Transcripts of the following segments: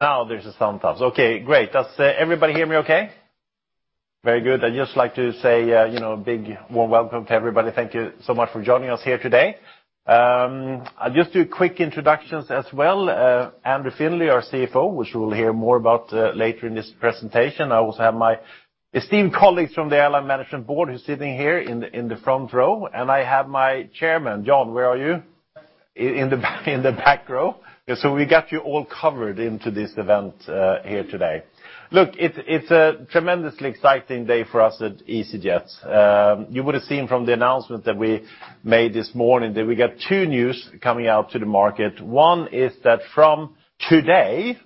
There's a sound test. Great. Does everybody hear me okay? Very good. I'd just like to say a big, warm welcome to everybody. Thank you so much for joining us here today. I'll just do quick introductions as well. Andrew Findlay, our CFO, which we'll hear more about later in this presentation. I also have my esteemed colleagues from the airline management board who's sitting here in the front row. I have my Chairman, John, where are you? In the back row. We got you all covered into this event here today. Look, it's a tremendously exciting day for us at easyJet. You would have seen from the announcement that we made this morning that we got two news coming out to the market. One is that from today,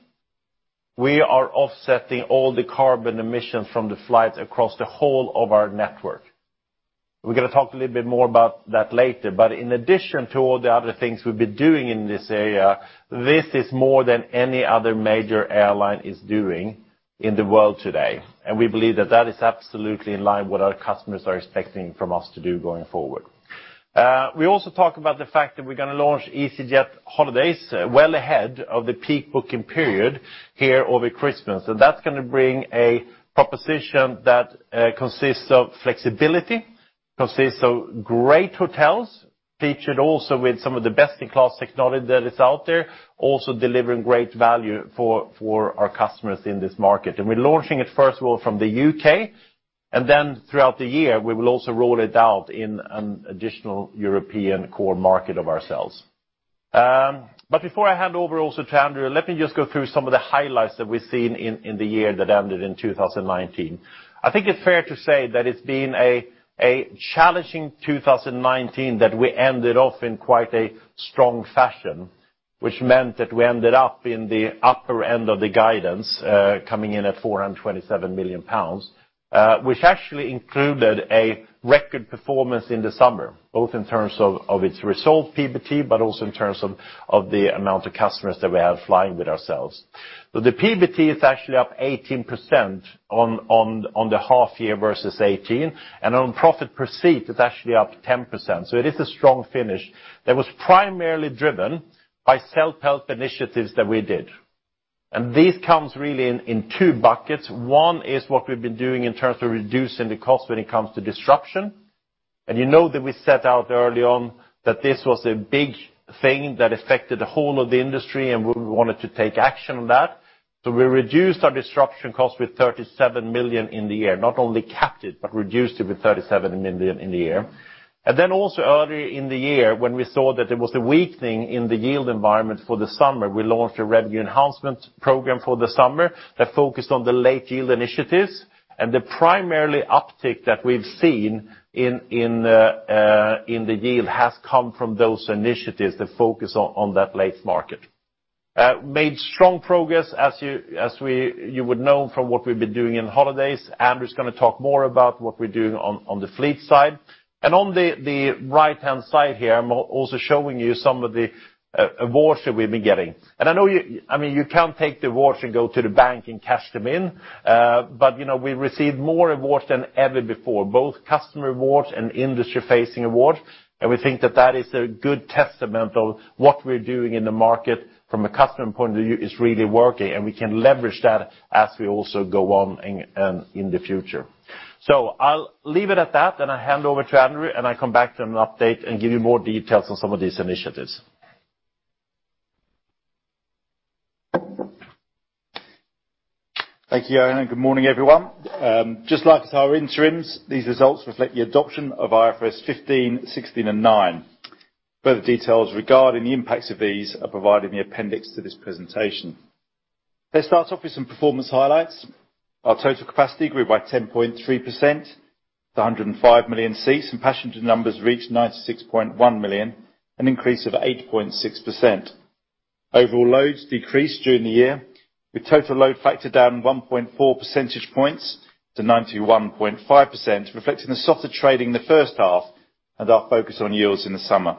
we are offsetting all the carbon emissions from the flights across the whole of our network. We're going to talk a little bit more about that later. In addition to all the other things we've been doing in this area, this is more than any other major airline is doing in the world today. We believe that that is absolutely in line with what our customers are expecting from us to do going forward. We also talk about the fact that we're going to launch easyJet holidays well ahead of the peak booking period here over Christmas. That's going to bring a proposition that consists of flexibility, consists of great hotels, featured also with some of the best-in-class technology that is out there, also delivering great value for our customers in this market. We're launching it, first of all, from the U.K. Then throughout the year, we will also roll it out in an additional European core market of ourselves. Before I hand over also to Andrew, let me just go through some of the highlights that we've seen in the year that ended in 2019. I think it's fair to say that it's been a challenging 2019 that we ended off in quite a strong fashion, which meant that we ended up in the upper end of the guidance, coming in at 427 million pounds, which actually included a record performance in the summer, both in terms of its result PBT, but also in terms of the amount of customers that we have flying with ourselves. The PBT is actually up 18% on the half year versus 2018, and on profit per seat, it's actually up 10%. It is a strong finish that was primarily driven by self-help initiatives that we did. This comes really in two buckets. One is what we've been doing in terms of reducing the cost when it comes to disruption. You know that we set out early on that this was a big thing that affected the whole of the industry, and we wanted to take action on that. We reduced our disruption cost with 37 million in the year. Not only capped it, but reduced it with 37 million in the year. Also earlier in the year, when we saw that there was a weakening in the yield environment for the summer, we launched a revenue enhancement program for the summer that focused on the late yield initiatives. The primarily uptick that we've seen in the yield has come from those initiatives that focus on that late market. Made strong progress, as you would know from what we've been doing in easyJet holidays. Andrew's going to talk more about what we're doing on the fleet side. On the right-hand side here, I'm also showing you some of the awards that we've been getting. I know you can't take the awards and go to the bank and cash them in. We received more awards than ever before, both customer awards and industry-facing awards, and we think that that is a good testament of what we're doing in the market from a customer point of view is really working, and we can leverage that as we also go on in the future. I'll leave it at that, and I hand over to Andrew, and I come back and update and give you more details on some of these initiatives. Thank you, Johan, and good morning, everyone. Just like our interims, these results reflect the adoption of IFRS 15, 16, and 9. Further details regarding the impacts of these are provided in the appendix to this presentation. Let's start off with some performance highlights. Our total capacity grew by 10.3% to 105 million seats, and passenger numbers reached 96.1 million, an increase of 8.6%. Overall loads decreased during the year, with total load factor down 1.4 percentage points to 91.5%, reflecting the softer trading in the first half and our focus on yields in the summer.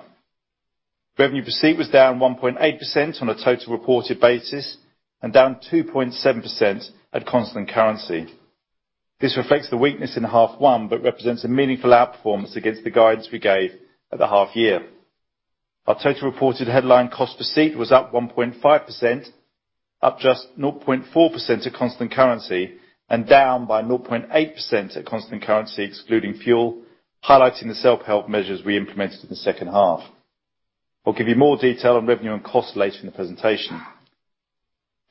Revenue per seat was down 1.8% on a total reported basis and down 2.7% at constant currency. This reflects the weakness in half one, but represents a meaningful outperformance against the guidance we gave at the half year. Our total reported headline cost per seat was up 1.5%, up just 0.4% at constant currency, and down by 0.8% at constant currency excluding fuel, highlighting the self-help measures we implemented in the second half. I'll give you more detail on revenue and cost later in the presentation.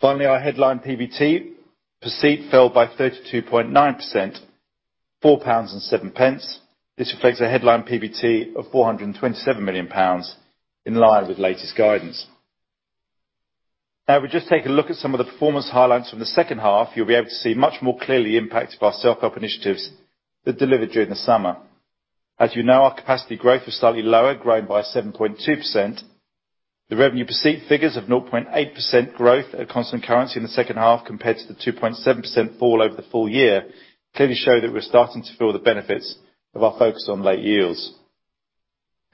Finally, our headline PBT per seat fell by 32.9%, GBP 4.07. This reflects a headline PBT of 427 million pounds, in line with latest guidance. Now, if we just take a look at some of the performance highlights from the second half, you know, you'll be able to see much more clearly the impact of our self-help initiatives that delivered during the summer. As you know, our capacity growth was slightly lower, growing by 7.2%. The revenue per seat figures of 0.8% growth at constant currency in the second half compared to the 2.7% fall over the full year clearly show that we're starting to feel the benefits of our focus on late yields.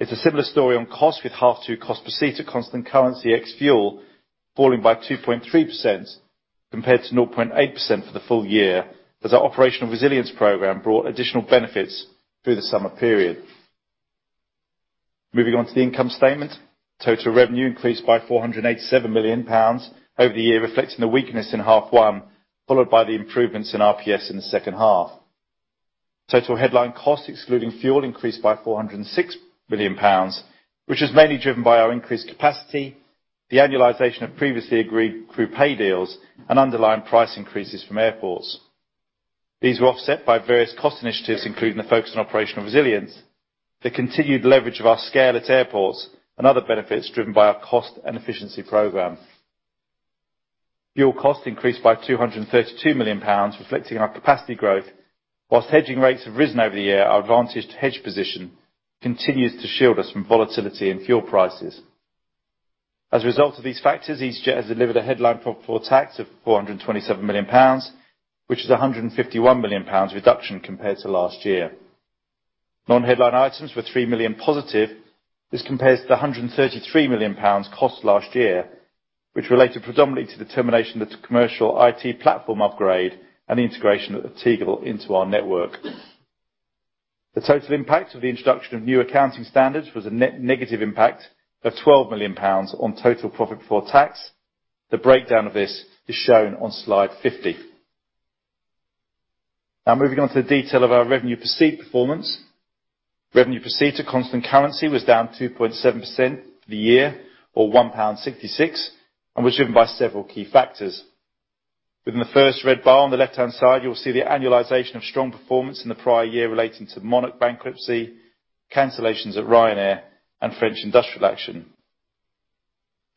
It's a similar story on cost with half 2 cost per seat at constant currency ex fuel falling by 2.3% compared to 0.8% for the full year, as our operational resilience program brought additional benefits through the summer period. Moving on to the income statement. Total revenue increased by 487 million pounds over the year, reflecting the weakness in half 1, followed by the improvements in RPS in the second half. Total headline costs, excluding fuel, increased by 406 million pounds, which was mainly driven by our increased capacity, the annualization of previously agreed crew pay deals, and underlying price increases from airports. These were offset by various cost initiatives, including the focus on operational resilience, the continued leverage of our scale at airports, and other benefits driven by our cost and efficiency program. Fuel costs increased by 232 million pounds, reflecting our capacity growth. While hedging rates have risen over the year, our advantaged hedge position continues to shield us from volatility in fuel prices. As a result of these factors, easyJet has delivered a headline profit before tax of 427 million pounds, which is a 151 million pounds reduction compared to last year. Non-headline items were 3 million positive. This compares to the 133 million pounds cost last year, which related predominantly to the termination of the commercial IT platform upgrade and the integration of Tegel into our network. The total impact of the introduction of new accounting standards was a net negative impact of 12 million pounds on total profit before tax. The breakdown of this is shown on slide 50. Moving on to the detail of our revenue per seat performance. Revenue per seat at constant currency was down 2.7% for the year, or 1.66 pound, and was driven by several key factors. Within the first red bar on the left-hand side, you'll see the annualization of strong performance in the prior year relating to Monarch bankruptcy, cancellations at Ryanair, and French industrial action.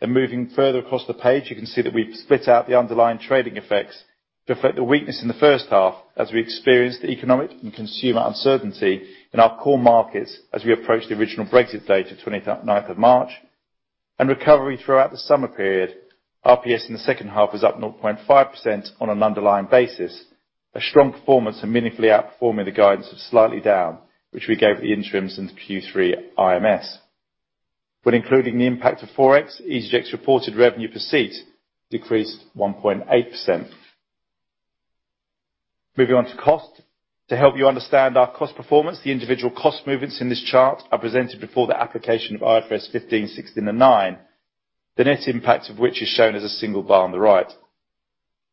Moving further across the page, you can see that we've split out the underlying trading effects to reflect the weakness in the first half as we experienced economic and consumer uncertainty in our core markets as we approached the original Brexit date of 29th of March, and recovery throughout the summer period. RPS in the second half was up 0.5% on an underlying basis, a strong performance and meaningfully outperforming the guidance of slightly down, which we gave at the interims in Q3 IMS. When including the impact of Forex, easyJet's reported revenue per seat decreased 1.8%. Moving on to cost. To help you understand our cost performance, the individual cost movements in this chart are presented before the application of IFRS 15, 16, and 9, the net impact of which is shown as a single bar on the right.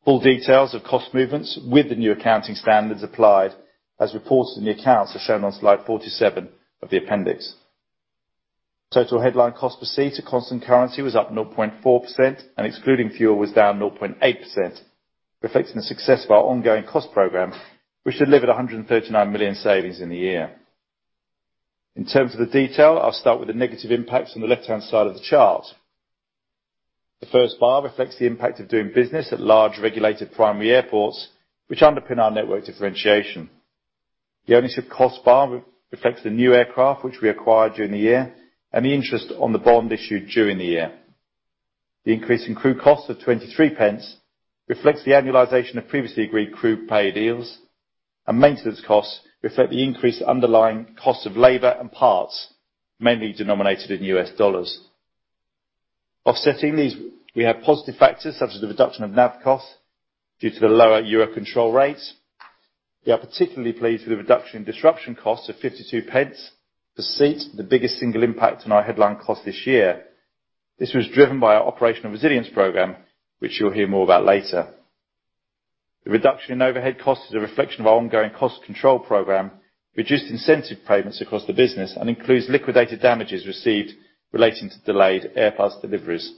Full details of cost movements with the new accounting standards applied, as reported in the accounts, are shown on slide 47 of the appendix. Total headline cost per seat at constant currency was up 0.4%, and excluding fuel was down 0.8%, reflecting the success of our ongoing cost program, which delivered 139 million savings in the year. In terms of the detail, I'll start with the negative impacts on the left-hand side of the chart. The first bar reflects the impact of doing business at large regulated primary airports, which underpin our network differentiation. The ownership cost bar reflects the new aircraft which we acquired during the year and the interest on the bond issued during the year. The increase in crew costs of 0.23 reflects the annualization of previously agreed crew pay deals. Maintenance costs reflect the increased underlying cost of labor and parts, mainly denominated in US dollars. Offsetting these, we have positive factors such as the reduction of nav costs due to the lower Eurocontrol rates. We are particularly pleased with the reduction in disruption costs of 0.52 per seat, the biggest single impact on our headline cost this year. This was driven by our operational resilience program, which you will hear more about later. The reduction in overhead costs is a reflection of our ongoing cost control program, reduced incentive payments across the business, and includes liquidated damages received relating to delayed Airbus deliveries.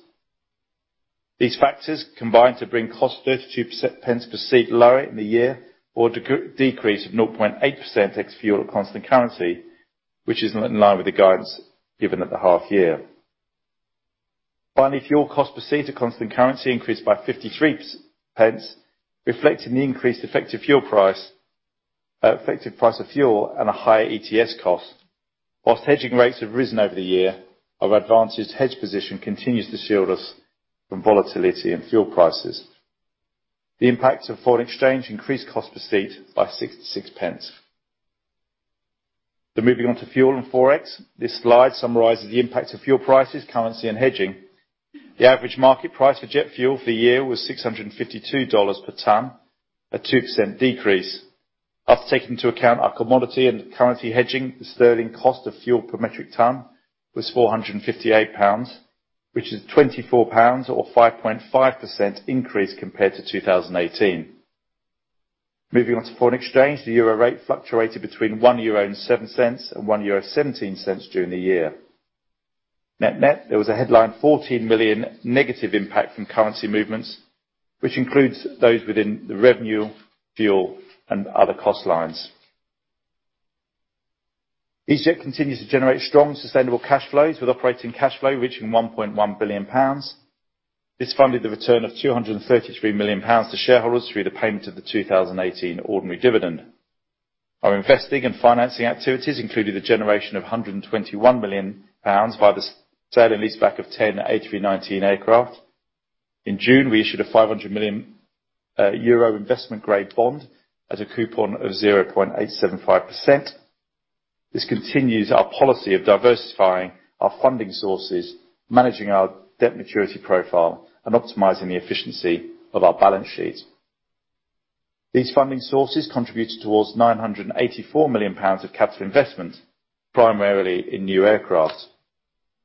These factors combine to bring costs 0.32 per seat lower in the year or decrease of 0.8% ex fuel at constant currency, which is in line with the guidance given at the half year. Fuel cost per seat at constant currency increased by 0.53, reflecting the increased effective price of fuel and a higher ETS cost. While hedging rates have risen over the year, our advanced hedge position continues to shield us from volatility in fuel prices. The impact of foreign exchange increased cost per seat by 0.66. Moving on to fuel and Forex. This slide summarizes the impact of fuel prices, currency, and hedging. The average market price of jet fuel for the year was $652 per tonne, a 2% decrease. After taking into account our commodity and currency hedging, the sterling cost of fuel per metric tonne was £458, which is £24 or 5.5% increase compared to 2018. The EUR rate fluctuated between 1.07 euro and 1.17 euro during the year. Net, there was a headline 14 million negative impact from currency movements, which includes those within the revenue, fuel, and other cost lines. easyJet continues to generate strong, sustainable cash flows, with operating cash flow reaching £1.1 billion. This funded the return of £233 million to shareholders through the payment of the 2018 ordinary dividend. Our investing and financing activities included the generation of 121 million pounds by the sale and leaseback of 10 A319 aircraft. In June, we issued a 500 million euro investment-grade bond at a coupon of 0.875%. This continues our policy of diversifying our funding sources, managing our debt maturity profile, and optimizing the efficiency of our balance sheet. These funding sources contributed towards 984 million pounds of capital investment, primarily in new aircraft.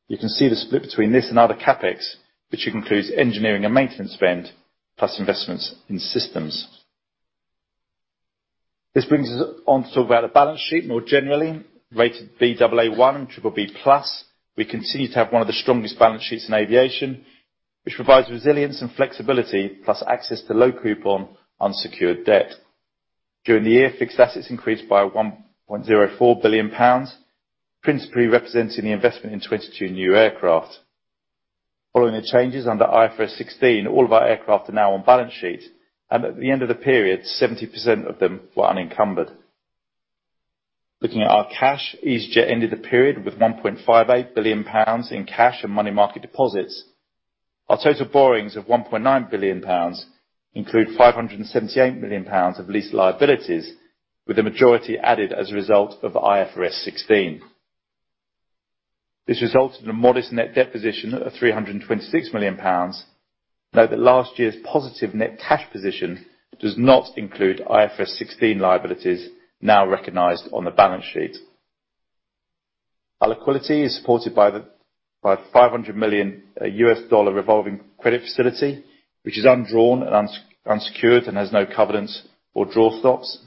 You can see the split between this and other CapEx, which includes engineering and maintenance spend, plus investments in systems. This brings us on to where the balance sheet more generally, rated Baa1, BBB+. We continue to have one of the strongest balance sheets in aviation, which provides resilience and flexibility, plus access to low coupon unsecured debt. During the year, fixed assets increased by 1.04 billion pounds, principally representing the investment in 22 new aircraft. Following the changes under IFRS 16, all of our aircraft are now on balance sheet. At the end of the period, 70% of them were unencumbered. Looking at our cash, easyJet ended the period with GBP 1.58 billion in cash and money market deposits. Our total borrowings of GBP 1.9 billion include GBP 578 million of lease liabilities, with the majority added as a result of IFRS 16. This resulted in a modest net debt position of 326 million pounds. Note that last year's positive net cash position does not include IFRS 16 liabilities now recognized on the balance sheet. Our liquidity is supported by $500 million revolving credit facility, which is undrawn and unsecured and has no covenants or draw stops.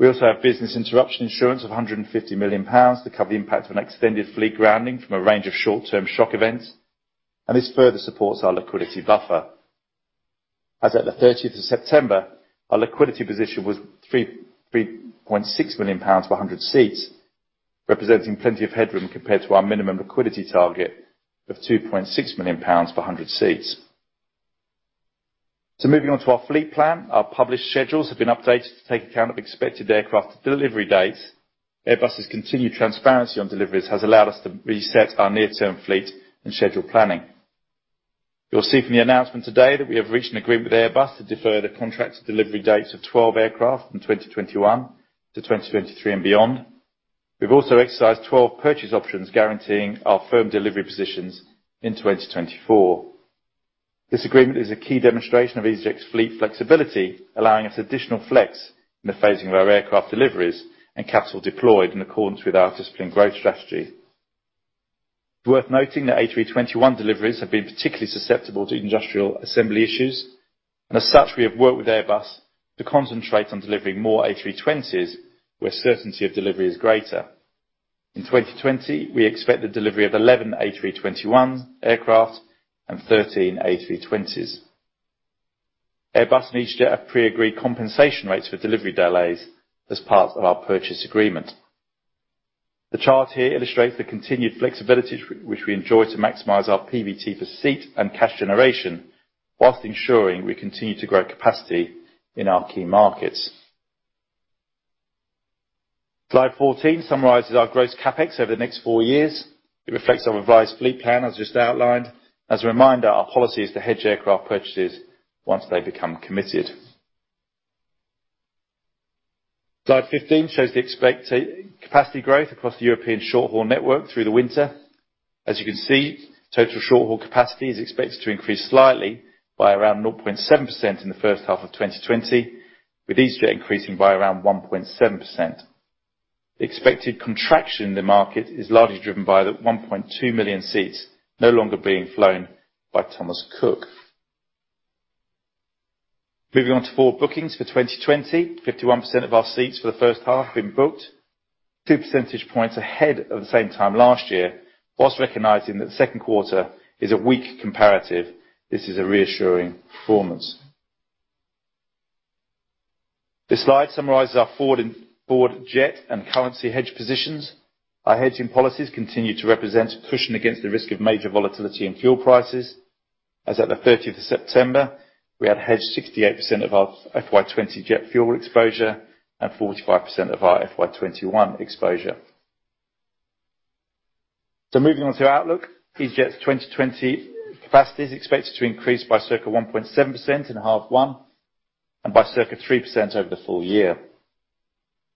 We also have business interruption insurance of 150 million pounds to cover the impact of an extended fleet grounding from a range of short-term shock events, and this further supports our liquidity buffer. As at the 30th of September, our liquidity position was 3.6 million pounds per 100 seats, representing plenty of headroom compared to our minimum liquidity target of 2.6 million pounds per 100 seats. Moving on to our fleet plan. Our published schedules have been updated to take account of expected aircraft delivery dates. Airbus's continued transparency on deliveries has allowed us to reset our near term fleet and schedule planning. You'll see from the announcement today that we have reached an agreement with Airbus to defer the contracted delivery dates of 12 aircraft from 2021 to 2023 and beyond. We've also exercised 12 purchase options, guaranteeing our firm delivery positions in 2024. This agreement is a key demonstration of easyJet's fleet flexibility, allowing us additional flex in the phasing of our aircraft deliveries and capital deployed in accordance with our disciplined growth strategy. Worth noting that A321 deliveries have been particularly susceptible to industrial assembly issues, and as such, we have worked with Airbus to concentrate on delivering more A320s, where certainty of delivery is greater. In 2020, we expect the delivery of 11 A321 aircraft and 13 A320s. Airbus and easyJet have pre-agreed compensation rates for delivery delays as part of our purchase agreement. The chart here illustrates the continued flexibility which we enjoy to maximize our PBT for seat and cash generation, whilst ensuring we continue to grow capacity in our key markets. Slide 14 summarizes our gross CapEx over the next four years. It reflects our revised fleet plan, as just outlined. As a reminder, our policy is to hedge aircraft purchases once they become committed. Slide 15 shows the expected capacity growth across the European short-haul network through the winter. As you can see, total short-haul capacity is expected to increase slightly by around 0.7% in the first half of 2020, with easyJet increasing by around 1.7%. The expected contraction in the market is largely driven by the 1.2 million seats no longer being flown by Thomas Cook. Moving on to forward bookings for 2020. 51% of our seats for the first half have been booked, two percentage points ahead of the same time last year. Whilst recognizing that the second quarter is a weak comparative, this is a reassuring performance. This slide summarizes our forward jet and currency hedge positions. Our hedging policies continue to represent cushion against the risk of major volatility in fuel prices. As at the 30th of September, we had hedged 68% of our FY 2020 jet fuel exposure and 45% of our FY 2021 exposure. Moving on to outlook. easyJet's 2020 capacity is expected to increase by circa 1.7% in half one, and by circa 3% over the full year.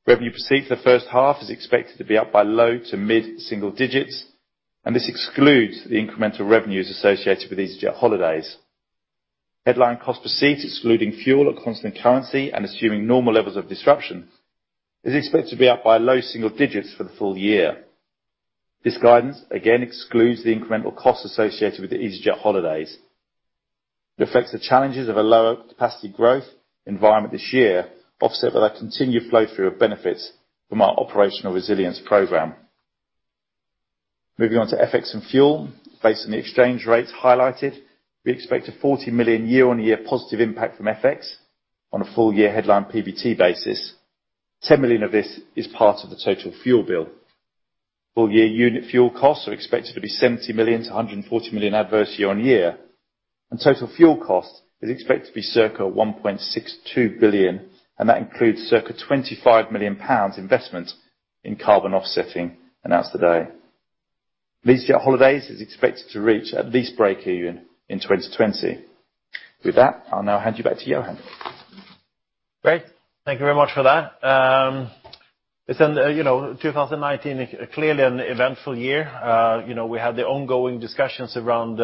Revenue per seat for the first half is expected to be up by low to mid single digits, and this excludes the incremental revenues associated with easyJet holidays. Headline cost per seat, excluding fuel at constant currency and assuming normal levels of disruption, is expected to be up by low single digits for the full year. This guidance again excludes the incremental costs associated with easyJet holidays. It reflects the challenges of a lower capacity growth environment this year, offset by that continued flow through of benefits from our operational resilience program. Moving on to FX and fuel. Based on the exchange rates highlighted, we expect a 40 million year-on-year positive impact from FX on a full year headline PBT basis. 10 million of this is part of the total fuel bill. Full year unit fuel costs are expected to be 70 million-140 million adverse year-on-year, and total fuel cost is expected to be circa 1.62 billion, and that includes circa 25 million pounds investment in carbon offsetting announced today. easyJet holidays is expected to reach at least breakeven in 2020. With that, I'll now hand you back to Johan. Great. Thank you very much for that. 2019, clearly an eventful year. We had the ongoing discussions around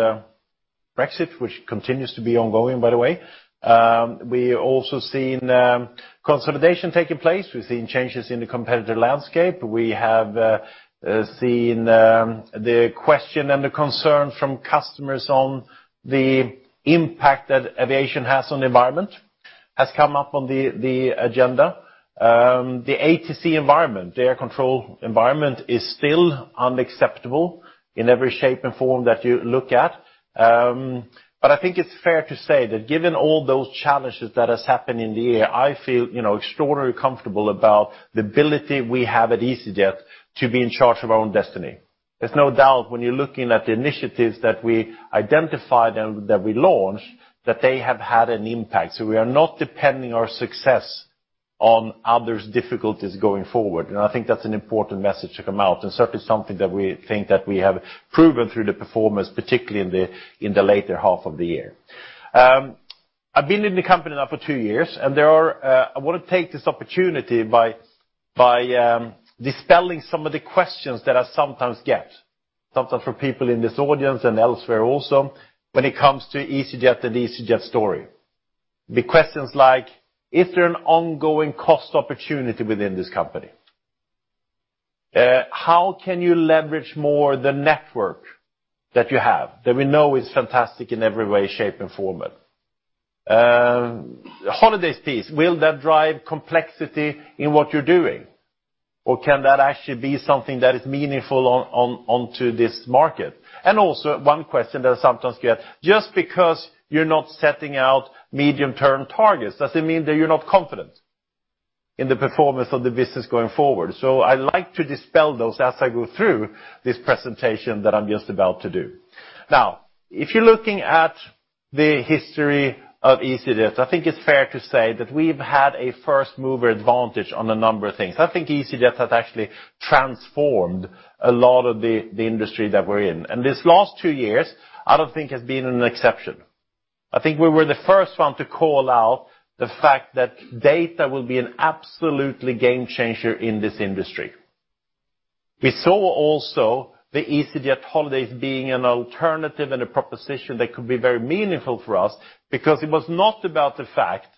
Brexit, which continues to be ongoing, by the way. We also seen consolidation taking place. We've seen changes in the competitive landscape. We have seen the question and the concern from customers on the impact that aviation has on the environment has come up on the agenda. The ATC environment, the Air Control environment, is still unacceptable in every shape and form that you look at. I think it's fair to say that given all those challenges that has happened in the air, I feel extraordinary comfortable about the ability we have at easyJet to be in charge of our own destiny. There's no doubt when you're looking at the initiatives that we identify, that we launch, that they have had an impact. We are not depending our success on others' difficulties going forward. I think that's an important message to come out, and certainly something that we think that we have proven through the performance, particularly in the later half of the year. I've been in the company now for two years, and I want to take this opportunity by dispelling some of the questions that I sometimes get, sometimes from people in this audience and elsewhere also, when it comes to easyJet and easyJet's story. The questions like, is there an ongoing cost opportunity within this company? How can you leverage more the network that you have? That we know is fantastic in every way, shape, and format. Holidays piece, will that drive complexity in what you're doing? Can that actually be something that is meaningful to this market? Also one question that I sometimes get, just because you're not setting out medium-term targets, does it mean that you're not confident in the performance of the business going forward? I like to dispel those as I go through this presentation that I'm just about to do. If you're looking at the history of easyJet, I think it's fair to say that we've had a first-mover advantage on a number of things. I think easyJet has actually transformed a lot of the industry that we're in. These last two years, I don't think has been an exception. I think we were the first one to call out the fact that data will be an absolutely game changer in this industry. We saw also the easyJet holidays being an alternative and a proposition that could be very meaningful for us because it was not about the fact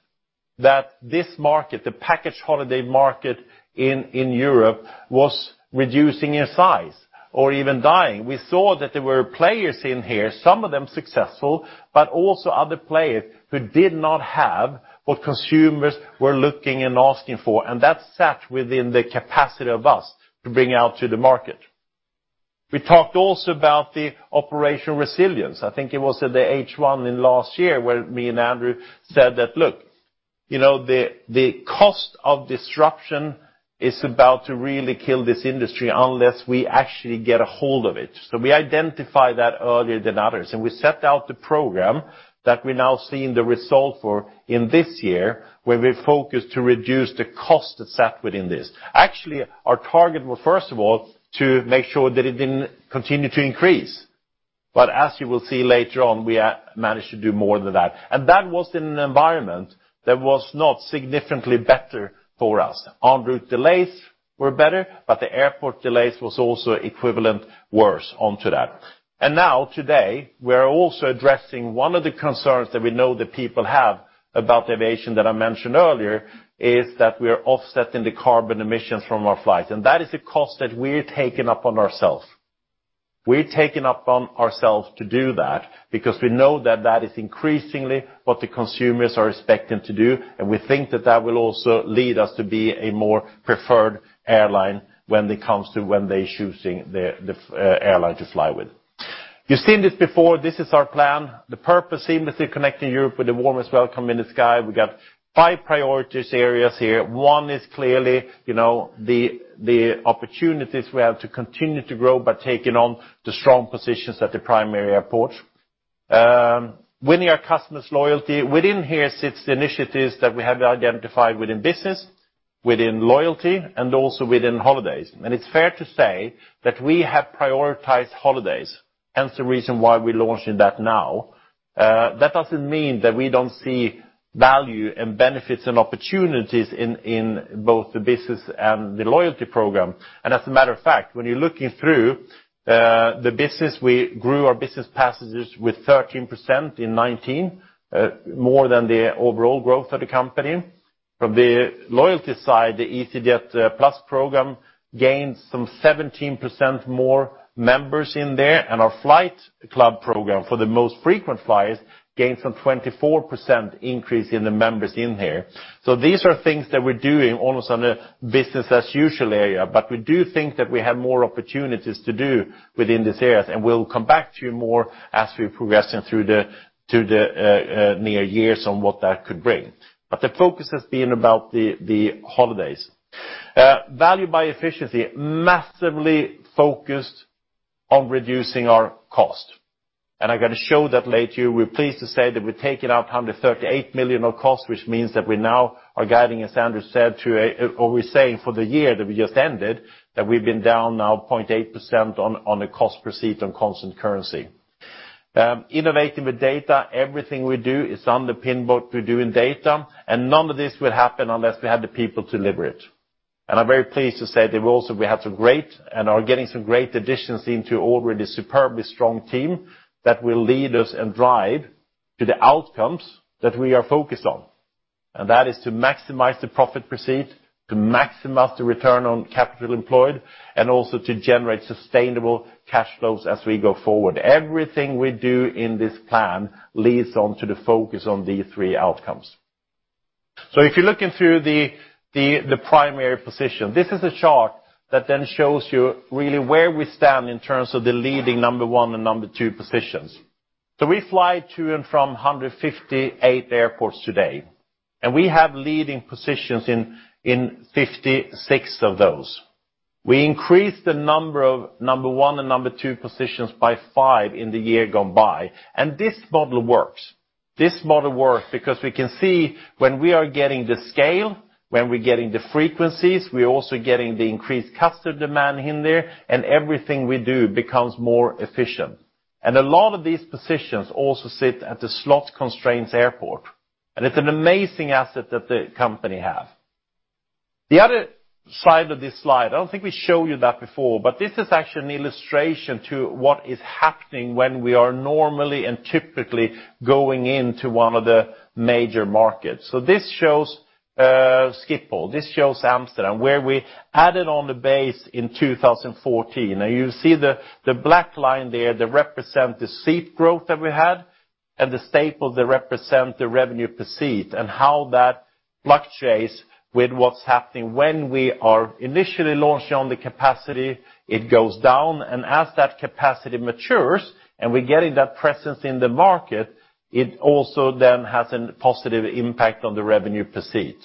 that this market, the package holiday market in Europe, was reducing in size or even dying. We saw that there were players in here, some of them successful, but also other players who did not have what consumers were looking and asking for, and that sat within the capacity of us to bring out to the market. We talked also about the operational resilience. I think it was at the H1 in last year where me and Andrew said that, "Look, the cost of disruption is about to really kill this industry unless we actually get a hold of it." We identified that earlier than others, and we set out the program that we're now seeing the result for in this year, where we focus to reduce the cost that sat within this. Actually, our target was, first of all, to make sure that it didn't continue to increase. As you will see later on, we managed to do more than that. That was in an environment that was not significantly better for us. En route delays were better, but the airport delays was also equivalent worse onto that. Now, today, we are also addressing one of the concerns that we know the people have about aviation that I mentioned earlier, is that we are offsetting the carbon emissions from our flights. That is a cost that we're taking upon ourselves. We're taking upon ourselves to do that because we know that that is increasingly what the consumers are expecting to do, and we think that that will also lead us to be a more preferred airline when it comes to when they're choosing the airline to fly with. You've seen this before. This is our plan. The purpose, seamlessly connecting Europe with the warmest welcome in the sky. We got five priority areas here. One is clearly the opportunities we have to continue to grow by taking on the strong positions at the primary airport. Winning our customers' loyalty. Within here sits the initiatives that we have identified within business, within loyalty, and also within holidays. It's fair to say that we have prioritized holidays, hence the reason why we're launching that now. That doesn't mean that we don't see value and benefits and opportunities in both the business and the loyalty program. As a matter of fact, when you're looking through the business, we grew our business passengers with 13% in 2019, more than the overall growth of the company. From the loyalty side, the easyJet Plus program gained some 17% more members in there, and our Flight Club program for the most frequent flyers gained some 24% increase in the members in here. These are things that we're doing almost on a business-as-usual area, but we do think that we have more opportunities to do within this area, and we'll come back to you more as we're progressing through the near years on what that could bring. The focus has been about the Holidays. Value by efficiency, massively focused on reducing our cost. I'm going to show that later. We're pleased to say that we've taken out 138 million of cost, which means that we now are guiding, as Andrew said, or we're saying for the year that we just ended, that we've been down now 0.8% on the cost per seat on constant currency. Innovating with data. Everything we do is underpinned what we do in data, and none of this would happen unless we had the people to deliver it. I'm very pleased to say that we also have and are getting some great additions into already superbly strong team that will lead us and drive to the outcomes that we are focused on. That is to maximize the profit per seat, to maximize the return on capital employed, and also to generate sustainable cash flows as we go forward. Everything we do in this plan leads on to the focus on these three outcomes. If you're looking through the primary position, this is a chart that then shows you really where we stand in terms of the leading number 1 and number 2 positions. We fly to and from 158 airports today, and we have leading positions in 56 of those. We increased the number of number 1 and number 2 positions by five in the year gone by. This model works. This model works because we can see when we are getting the scale, when we're getting the frequencies, we're also getting the increased customer demand in there, and everything we do becomes more efficient. A lot of these positions also sit at the slot constraints airport, and it's an amazing asset that the company have. The other side of this slide, I don't think we showed you that before, but this is actually an illustration to what is happening when we are normally and typically going into one of the major markets. This shows Schiphol, this shows Amsterdam, where we added on the base in 2014. Now you see the black line there that represent the seat growth that we had and the staple that represent the revenue per seat and how that fluctuates with what's happening when we are initially launching on the capacity, it goes down. As that capacity matures and we're getting that presence in the market, it also then has a positive impact on the revenue per seat.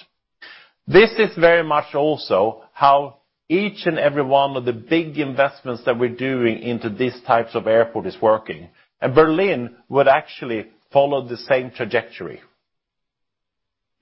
This is very much also how each and every one of the big investments that we're doing into these types of airport is working. Berlin would actually follow the same trajectory.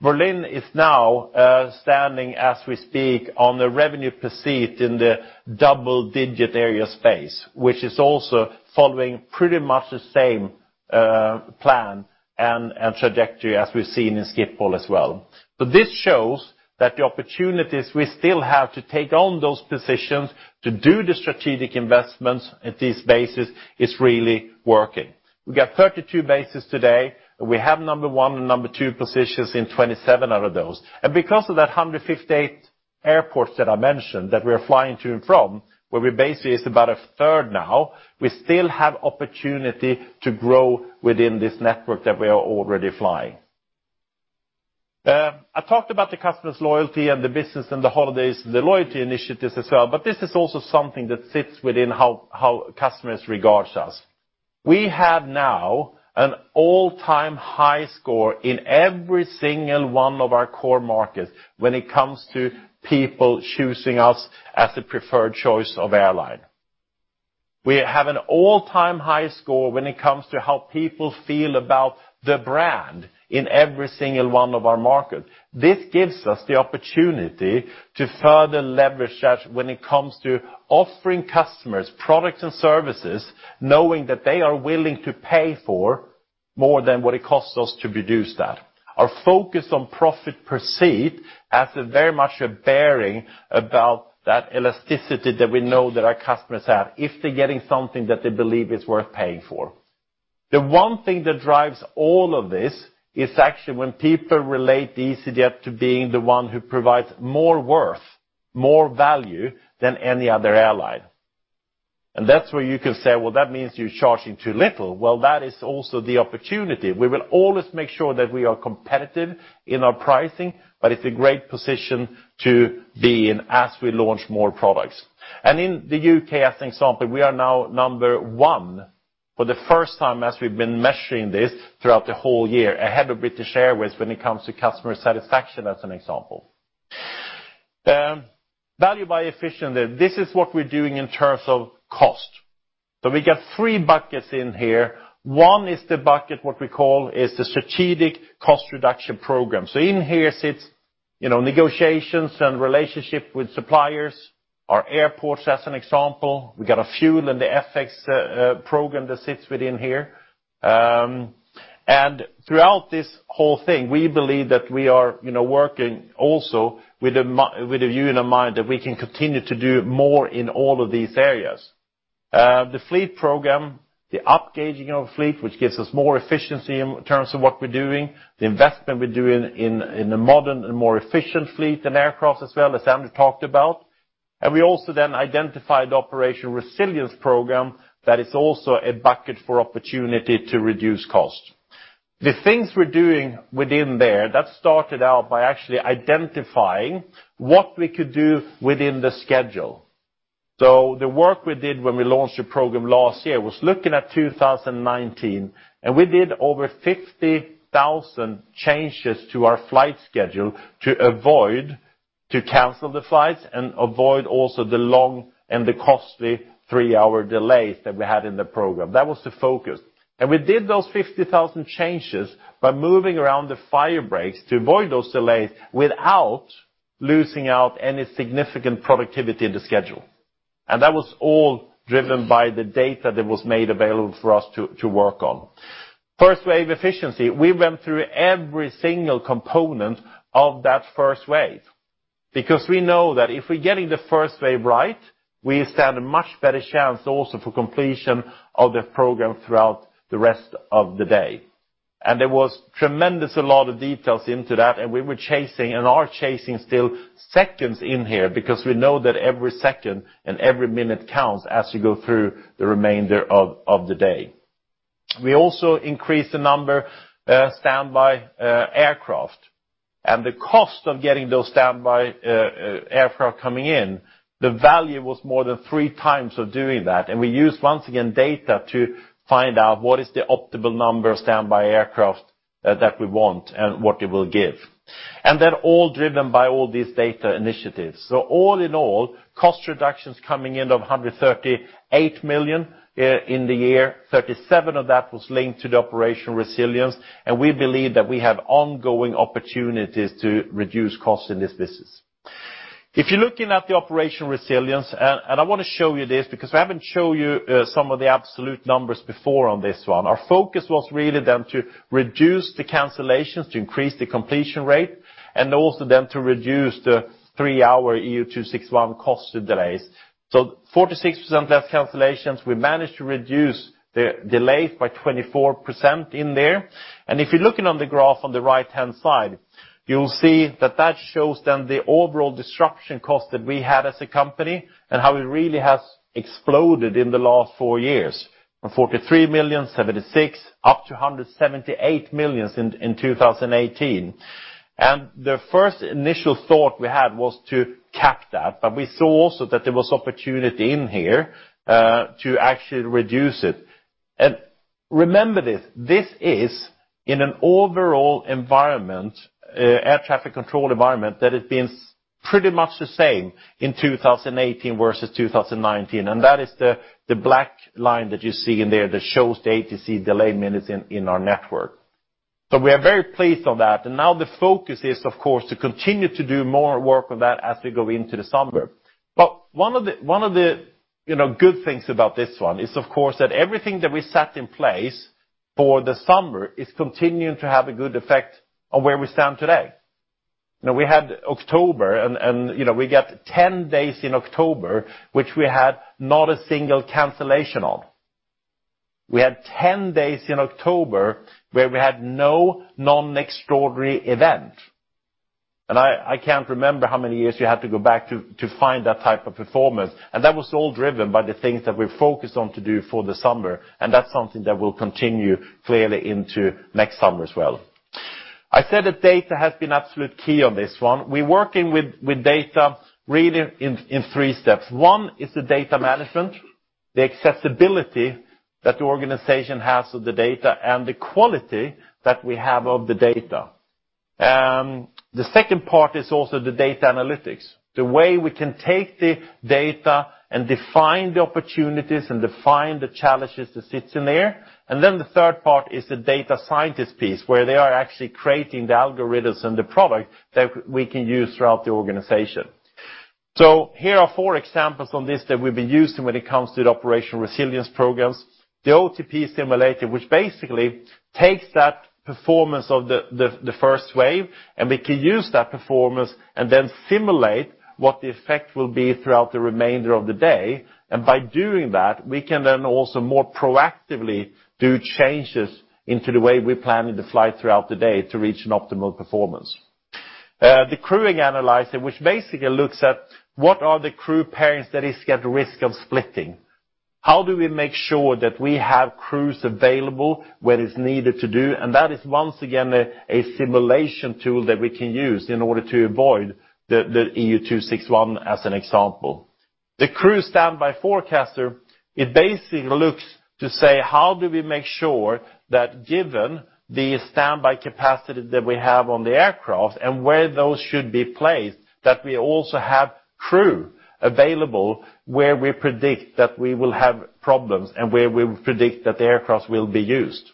Berlin is now standing, as we speak, on the revenue per seat in the double-digit area space, which is also following pretty much the same plan and trajectory as we've seen in Schiphol as well. This shows that the opportunities we still have to take on those positions to do the strategic investments at these bases is really working. We got 32 bases today. We have number one and number two positions in 27 out of those. Because of that 158 airports that I mentioned that we are flying to and from, where we're based is about a third now, we still have opportunity to grow within this network that we are already flying. I talked about the customers loyalty and the business and the holidays, the loyalty initiatives as well. This is also something that sits within how customers regards us. We have now an all-time high score in every single one of our core markets when it comes to people choosing us as the preferred choice of airline. We have an all-time high score when it comes to how people feel about the brand in every single one of our markets. This gives us the opportunity to further leverage that when it comes to offering customers products and services, knowing that they are willing to pay for more than what it costs us to produce that. Our focus on profit per seat has a very much a bearing about that elasticity that we know that our customers have if they're getting something that they believe is worth paying for. The one thing that drives all of this is actually when people relate easyJet to being the one who provides more worth, more value than any other airline. That's where you can say, "Well, that means you're charging too little." Well, that is also the opportunity. We will always make sure that we are competitive in our pricing. It's a great position to be in as we launch more products. In the U.K., as an example, we are now number 1 for the first time as we've been measuring this throughout the whole year, ahead of British Airways when it comes to customer satisfaction, as an example. Value by efficiency. This is what we're doing in terms of cost. We got three buckets in here. One is the bucket, what we call, is the strategic cost reduction program. In here sits negotiations and relationship with suppliers, our airports, as an example. We got a fuel and the FX program that sits within here. Throughout this whole thing, we believe that we are working also with a view in mind that we can continue to do more in all of these areas. The fleet program, the upgauging of fleet, which gives us more efficiency in terms of what we're doing, the investment we're doing in a modern and more efficient fleet and aircraft as well, as Andrew talked about. We also then identified the Operation Resilience Program that is also a bucket for opportunity to reduce cost. The things we're doing within there, that started out by actually identifying what we could do within the schedule. The work we did when we launched the program last year was looking at 2019, and we did over 50,000 changes to our flight schedule to cancel the flights and avoid also the long and the costly three-hour delays that we had in the program. That was the focus. We did those 50,000 changes by moving around the fire breaks to avoid those delays without losing out any significant productivity in the schedule. That was all driven by the data that was made available for us to work on. First wave efficiency, we went through every single component of that first wave, because we know that if we're getting the first wave right, we stand a much better chance also for completion of the program throughout the rest of the day. There was tremendous a lot of details into that, and we were chasing, and are chasing still, seconds in here because we know that every second and every minute counts as you go through the remainder of the day. We also increased the number of standby aircraft and the cost of getting those standby aircraft coming in, the value was more than three times of doing that, and we used, once again, data to find out what is the optimal number of standby aircraft that we want and what it will give. They're all driven by all these data initiatives. All in all, cost reductions coming in of 138 million in the year, 37 of that was linked to the operational resilience, and we believe that we have ongoing opportunities to reduce costs in this business. If you're looking at the operational resilience, and I want to show you this because I haven't shown you some of the absolute numbers before on this one. Our focus was really then to reduce the cancellations, to increase the completion rate, and also then to reduce the three-hour EU261 cost delays. 46% less cancellations. We managed to reduce the delay by 24% in there. If you're looking on the graph on the right-hand side, you'll see that that shows then the overall disruption cost that we had as a company and how it really has exploded in the last four years. From 43 million, 76 million, up to 178 million in 2018. The first initial thought we had was to cap that. We saw also that there was opportunity in here to actually reduce it. Remember this is in an overall environment, air traffic control environment that has been pretty much the same in 2018 versus 2019, and that is the black line that you see in there that shows the ATC delay minutes in our network. We are very pleased on that. Now the focus is, of course, to continue to do more work on that as we go into the summer. One of the good things about this one is, of course, that everything that we set in place for the summer is continuing to have a good effect on where we stand today. We had October, and we got 10 days in October, which we had not a single cancellation on. We had 10 days in October where we had no non-extraordinary event. I can't remember how many years you had to go back to find that type of performance. That was all driven by the things that we focused on to do for the summer, and that's something that will continue clearly into next summer as well. I said that data has been absolute key on this one. We're working with data really in three steps. One is the data management, the accessibility that the organization has of the data, and the quality that we have of the data. The second part is also the data analytics, the way we can take the data and define the opportunities and define the challenges that sits in there. The third part is the data scientist piece, where they are actually creating the algorithms and the product that we can use throughout the organization. Here are four examples on this that we've been using when it comes to the operational resilience programs. The OTP simulator, which basically takes that performance of the first wave, and we can use that performance and then simulate what the effect will be throughout the remainder of the day. By doing that, we can then also more proactively do changes into the way we're planning the flight throughout the day to reach an optimal performance. The crewing analyzer, which basically looks at what are the crew pairings that is at risk of splitting. How do we make sure that we have crews available where it's needed to do? That is, once again, a simulation tool that we can use in order to avoid the EU261 as an example. The crew standby forecaster, it basically looks to say, how do we make sure that given the standby capacity that we have on the aircraft and where those should be placed, that we also have crew available where we predict that we will have problems and where we predict that the aircraft will be used.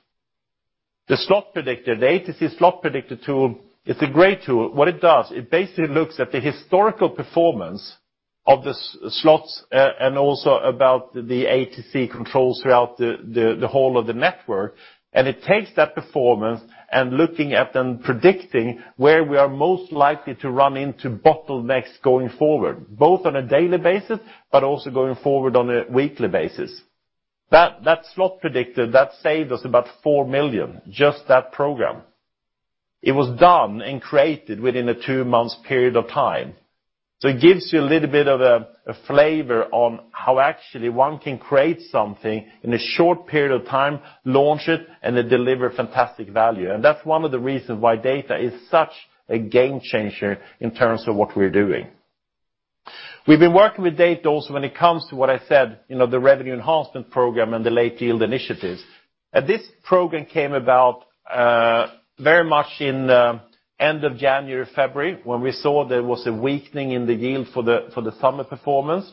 The slot predictor, the ATC slot predictor tool, it's a great tool. What it does, it basically looks at the historical performance of the slots and also about the ATC controls throughout the whole of the network, and it takes that performance and looking at and predicting where we are most likely to run into bottlenecks going forward, both on a daily basis, but also going forward on a weekly basis. That slot predictor, that saved us about 4 million, just that program. It was done and created within a two months period of time. It gives you a little bit of a flavor on how actually one can create something in a short period of time, launch it, and it deliver fantastic value. That's one of the reasons why data is such a game changer in terms of what we're doing. We've been working with data also when it comes to what I said, the Revenue Enhancement Program and the Late Yield Initiatives. This program came about very much in end of January, February, when we saw there was a weakening in the yield for the summer performance.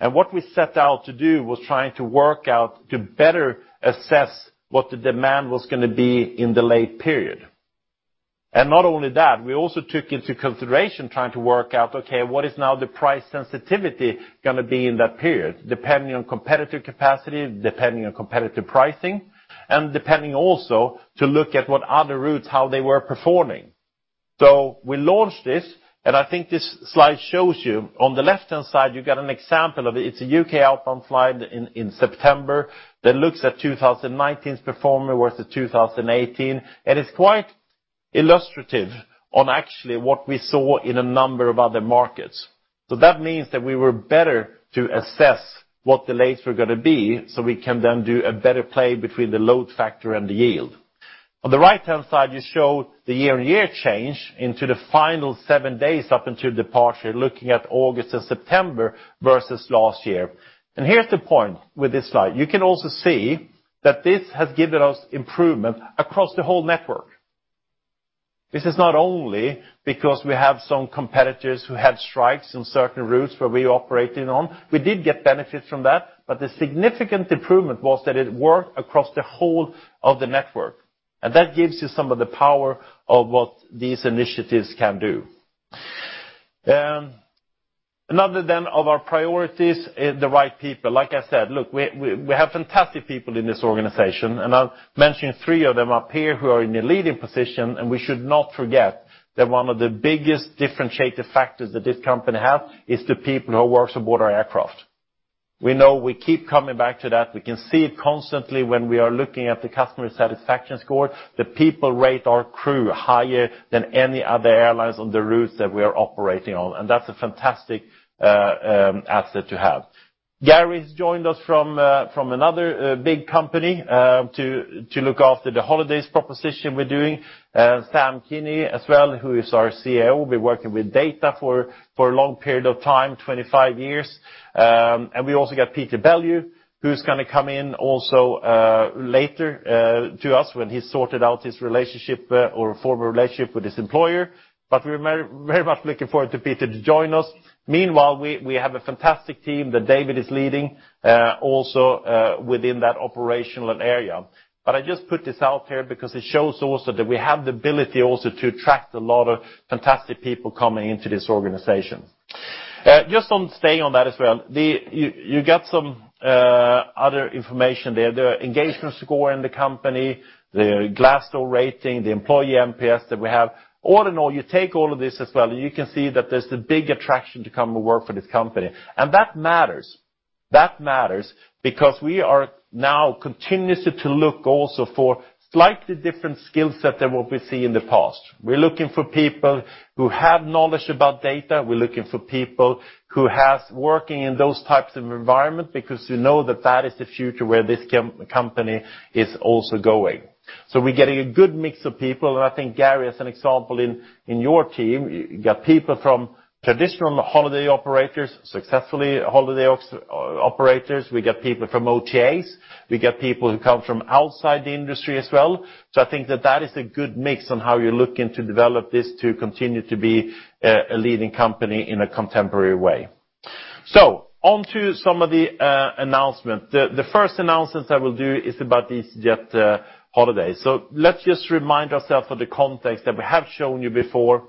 What we set out to do was trying to work out to better assess what the demand was going to be in the late period. Not only that, we also took into consideration trying to work out, okay, what is now the price sensitivity going to be in that period? Depending on competitive capacity, depending on competitive pricing, and depending also to look at what other routes, how they were performing. We launched this, and I think this slide shows you. On the left-hand side, you've got an example of it. It's a U.K. outbound slide in September that looks at 2019's performer versus 2018. It's quite illustrative on actually what we saw in a number of other markets. That means that we were better to assess what the lates were going to be, so we can then do a better play between the load factor and the yield. On the right-hand side, you show the year-on-year change into the final seven days up until departure, looking at August and September versus last year. Here's the point with this slide. You can also see that this has given us improvement across the whole network. This is not only because we have some competitors who had strikes on certain routes where we operated on. We did get benefits from that. The significant improvement was that it worked across the whole of the network. That gives you some of the power of what these initiatives can do. Another then of our priorities, the right people. Like I said, we have fantastic people in this organization. I'll mention three of them up here who are in a leading position. We should not forget that one of the biggest differentiating factors that this company has is the people who works aboard our aircraft. We know we keep coming back to that. We can see it constantly when we are looking at the customer satisfaction score. The people rate our crew higher than any other airlines on the routes that we are operating on, and that's a fantastic asset to have. Garry's joined us from another big company to look after the holidays proposition we're doing. Sam Kini as well, who is our CDO, will be working with data for a long period of time, 25 years. We also got Peter Bellew, who's going to come in also later to us when he's sorted out his relationship or former relationship with his employer. We're very much looking forward to Peter to join us. Meanwhile, we have a fantastic team that David is leading also within that operational area. I just put this out here because it shows also that we have the ability also to attract a lot of fantastic people coming into this organization. Just staying on that as well. You get some other information there. The engagement score in the company, the Glassdoor rating, the employee NPS that we have. All in all, you take all of this as well, and you can see that there's a big attraction to come and work for this company. That matters. That matters because we are now continuously to look also for slightly different skill set than what we've seen in the past. We're looking for people who have knowledge about data. We're looking for people who has working in those types of environment because we know that that is the future where this company is also going. We're getting a good mix of people. I think Garry, as an example in your team, you got people from traditional holiday operators, successful holiday operators. We get people from OTAs. We get people who come from outside the industry as well. I think that that is a good mix on how you're looking to develop this to continue to be a leading company in a contemporary way. On to some of the announcement. The first announcement I will do is about the easyJet holidays. Let's just remind ourselves of the context that we have shown you before.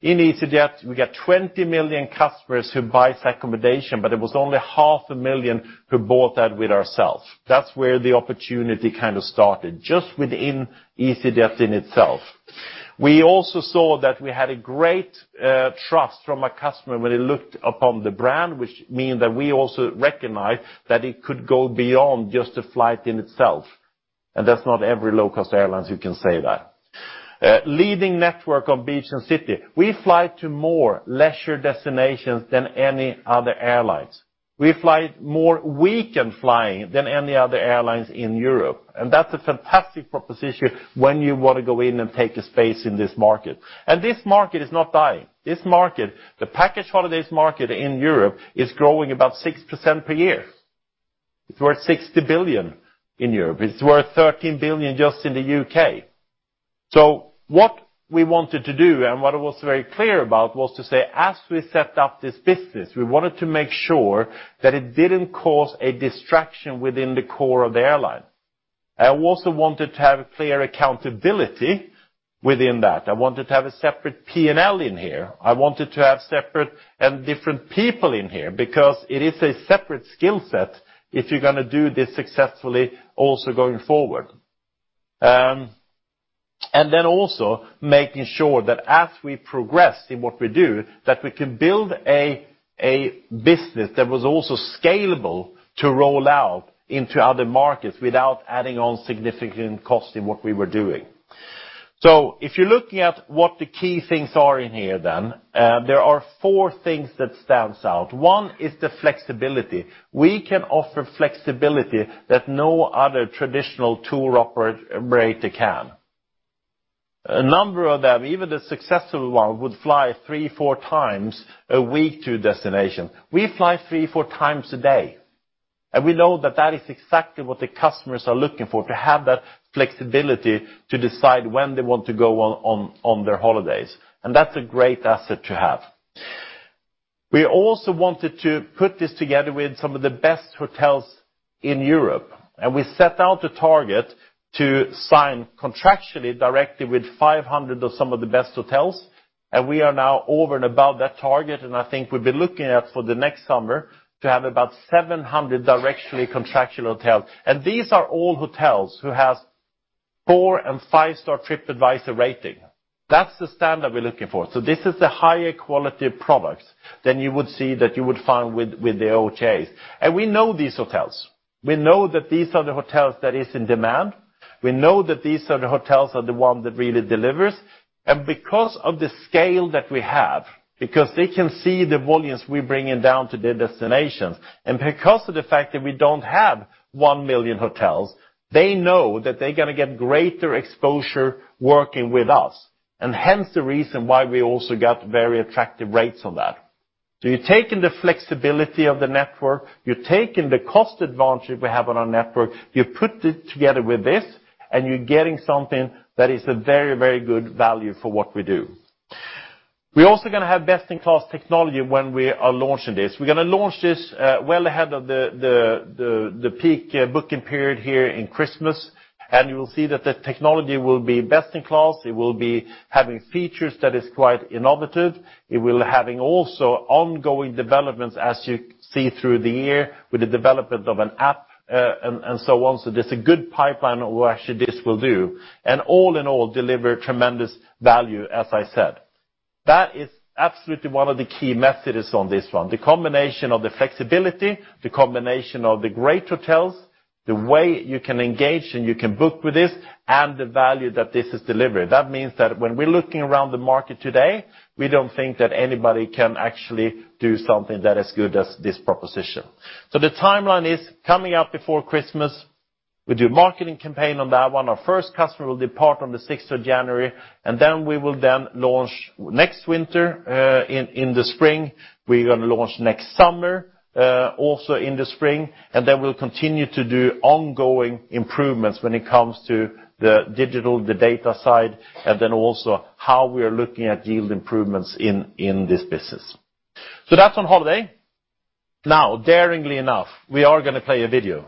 In easyJet, we got 20 million customers who buys accommodation, but it was only half a million who bought that with ourself. That's where the opportunity kind of started, just within easyJet in itself. We also saw that we had a great trust from a customer when he looked upon the brand, which mean that we also recognize that it could go beyond just the flight in itself. That's not every low-cost airlines who can say that. Leading network on beach and city. We fly to more leisure destinations than any other airlines. We fly more weekend flying than any other airlines in Europe. That's a fantastic proposition when you want to go in and take a space in this market. This market is not dying. This market, the package holidays market in Europe is growing about 6% per year. It's worth 60 billion in Europe. It's worth 13 billion just in the U.K. What we wanted to do and what I was very clear about was to say, as we set up this business, we wanted to make sure that it didn't cause a distraction within the core of the airline. I also wanted to have clear accountability within that. I wanted to have a separate P&L in here. I wanted to have separate and different people in here because it is a separate skill set if you're going to do this successfully also going forward. Also making sure that as we progress in what we do, that we can build a business that was also scalable to roll out into other markets without adding on significant cost in what we were doing. If you're looking at what the key things are in here then, there are four things that stands out. One is the flexibility. We can offer flexibility that no other traditional tour operator can. A number of them, even the successful one, would fly three, four times a week to a destination. We fly three, four times a day. We know that that is exactly what the customers are looking for, to have that flexibility to decide when they want to go on their holidays. That's a great asset to have. We also wanted to put this together with some of the best hotels in Europe, and we set out a target to sign contractually directly with 500 of some of the best hotels. We are now over and above that target, and I think we'll be looking at, for the next summer, to have about 700 directly contractual hotels. These are all hotels who have 4 and 5-star TripAdvisor rating. That's the standard we're looking for. This is the higher quality of products than you would see that you would find with the OTAs. We know these hotels. We know that these are the hotels that is in demand. We know that these are the hotels are the one that really delivers. Because of the scale that we have, because they can see the volumes we bring in down to their destinations, because of the fact that we don't have 1 million hotels, they know that they're going to get greater exposure working with us, hence the reason why we also got very attractive rates on that. You're taking the flexibility of the network, you're taking the cost advantage we have on our network, you put it together with this, you're getting something that is a very good value for what we do. We're also going to have best-in-class technology when we are launching this. We're going to launch this well ahead of the peak booking period here in Christmas, you will see that the technology will be best in class. It will be having features that are quite innovative. It will have also ongoing developments as you see through the year with the development of an app and so on. There's a good pipeline of what actually this will do, and all in all, deliver tremendous value, as I said. That is absolutely one of the key messages on this one, the combination of the flexibility, the combination of the great hotels, the way you can engage and you can book with this, and the value that this is delivering. That means that when we're looking around the market today, we don't think that anybody can actually do something that is as good as this proposition. The timeline is coming up before Christmas. We do a marketing campaign on that one. Our first customer will depart on the 6th of January, and then we will then launch next winter, in the spring. We're going to launch next summer, also in the spring, and then we'll continue to do ongoing improvements when it comes to the digital, the data side, and then also how we are looking at yield improvements in this business. That's on easyJet holidays. Now, daringly enough, we are going to play a video.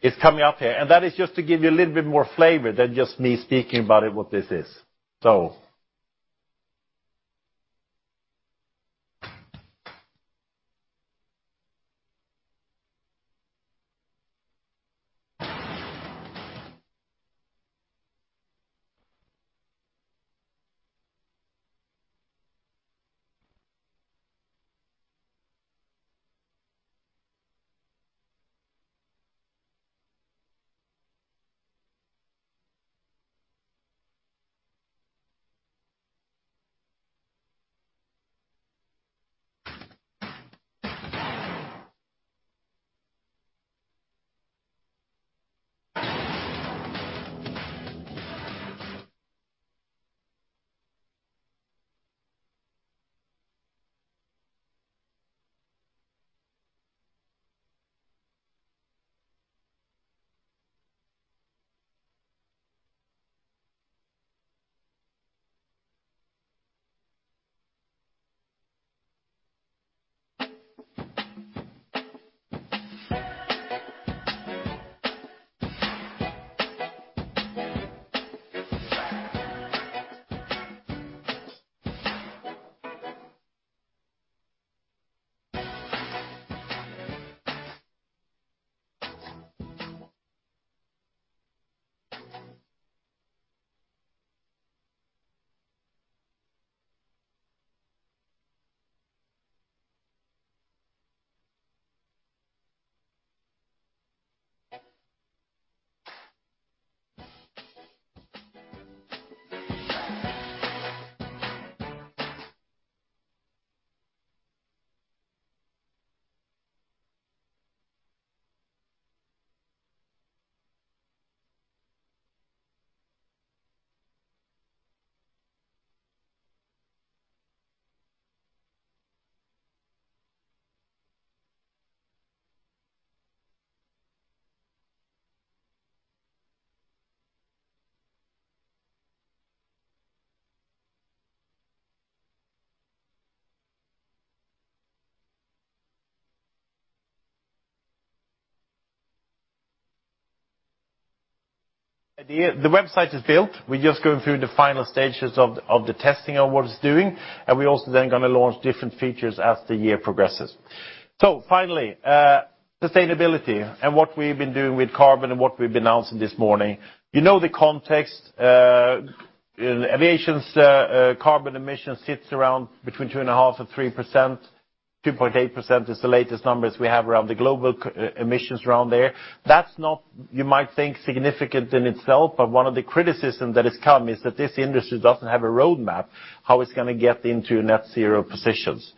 It's coming up here, and that is just to give you a little bit more flavor than just me speaking about it what this is. The website is built. We're just going through the final stages of the testing of what it's doing, and we're also then going to launch different features as the year progresses. Finally, sustainability and what we've been doing with carbon and what we've been announcing this morning. You know the context. Aviation's carbon emissions sits around between 2.5% and 3%. 2.8% is the latest numbers we have around the global emissions around there. That's not, you might think, significant in itself, but one of the criticism that has come is that this industry doesn't have a roadmap, how it's going to get into net zero positions.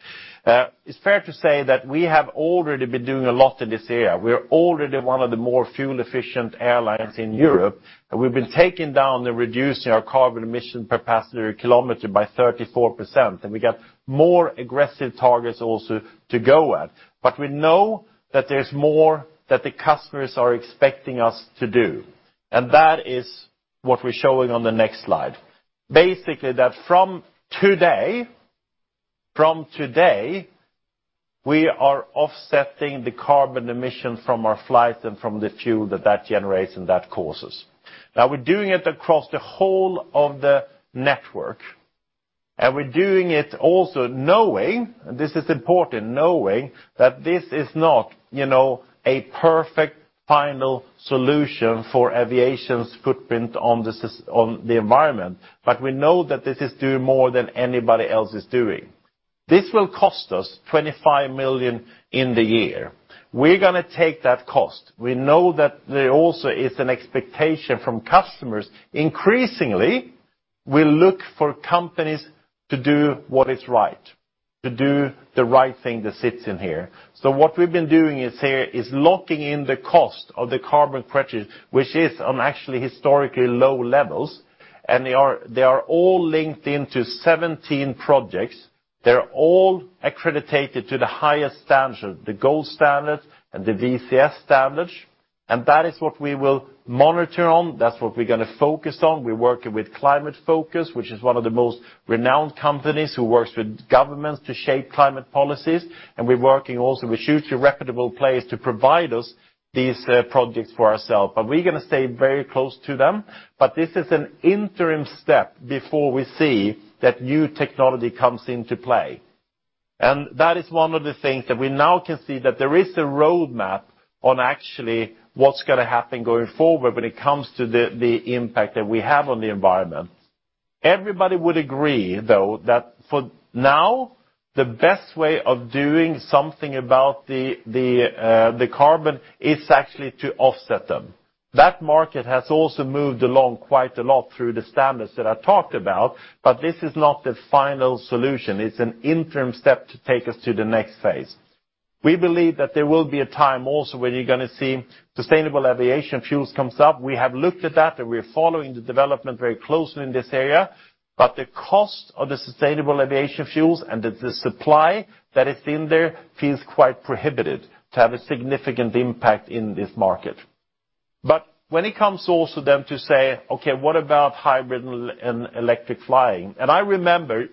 It's fair to say that we have already been doing a lot in this area. We're already one of the more fuel-efficient airlines in Europe, and we've been taking down and reducing our carbon emission per passenger kilometer by 34%, and we got more aggressive targets also to go at. We know that there's more that the customers are expecting us to do. That is what we're showing on the next slide. That from today, we are offsetting the carbon emission from our flights and from the fuel that that generates and that causes. We're doing it across the whole of the network, and we're doing it also knowing, and this is important, knowing that this is not a perfect final solution for aviation's footprint on the environment. We know that this is doing more than anybody else is doing. This will cost us 25 million in the year. We're going to take that cost. We know that there also is an expectation from customers. Increasingly, we look for companies to do what is right, to do the right thing that sits in here. What we've been doing is here is locking in the cost of the carbon purchases, which is on actually historically low levels, and they are all linked into 17 projects. They're all accredited to the highest standard, the gold standard, and the VCS standards. That is what we will monitor on. That's what we're going to focus on. We're working with Climate Focus, which is one of the most renowned companies who works with governments to shape climate policies, and we're working also with hugely reputable players to provide us these projects for ourselves. We're going to stay very close to them. This is an interim step before we see that new technology comes into play. That is one of the things that we now can see that there is a roadmap on actually what's going to happen going forward when it comes to the impact that we have on the environment. Everybody would agree, though, that for now, the best way of doing something about the carbon is actually to offset them. That market has also moved along quite a lot through the standards that I talked about, but this is not the final solution. It's an interim step to take us to the next phase. We believe that there will be a time also where you're going to see sustainable aviation fuels comes up. We have looked at that, and we're following the development very closely in this area. The cost of the sustainable aviation fuels and the supply that is in there feels quite prohibitive to have a significant impact in this market. When it comes also to say, okay, what about hybrid and electric flying? I remember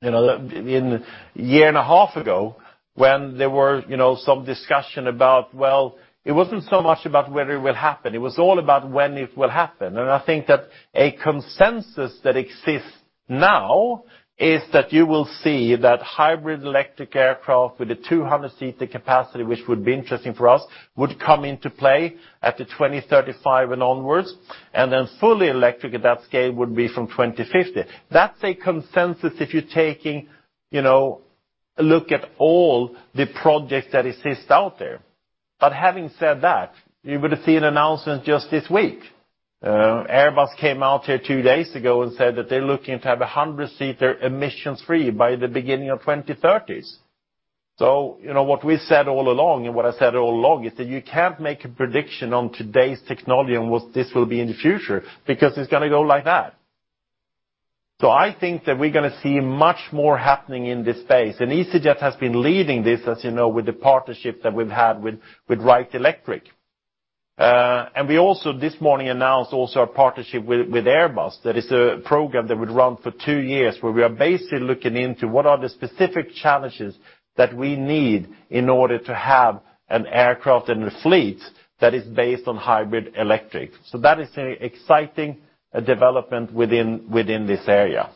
in a year and a half ago, when there were some discussion about, well, it wasn't so much about whether it will happen. It was all about when it will happen. I think that a consensus that exists now is that you will see that hybrid electric aircraft with a 200-seater capacity, which would be interesting for us, would come into play at the 2035 and onwards, and then fully electric at that scale would be from 2050. That's a consensus if you're taking a look at all the projects that exist out there. Having said that, you would have seen an announcement just this week. Airbus came out here two days ago and said that they're looking to have 100-seater emission free by the beginning of 2030s. What we said all along, and what I said all along, is that you can't make a prediction on today's technology and what this will be in the future, because it's going to go like that. I think that we're going to see much more happening in this space. easyJet has been leading this, as you know, with the partnership that we've had with Wright Electric. We also this morning announced also our partnership with Airbus. That is a program that would run for two years, where we are basically looking into what are the specific challenges that we need in order to have an aircraft and a fleet that is based on hybrid electric. That is an exciting development within this area.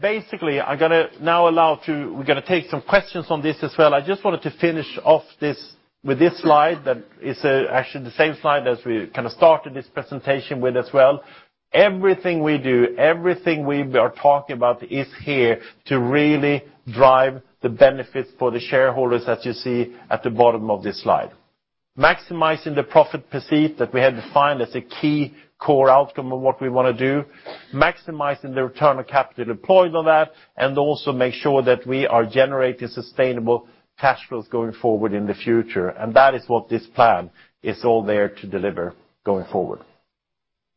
Basically, we're going to take some questions on this as well. I just wanted to finish off with this slide. That is actually the same slide as we kind of started this presentation with as well. Everything we do, everything we are talking about is here to really drive the benefits for the shareholders as you see at the bottom of this slide. Maximizing the profit per seat that we had defined as a key core outcome of what we want to do, maximizing the return on capital employed on that, and also make sure that we are generating sustainable cash flows going forward in the future. That is what this plan is all there to deliver going forward.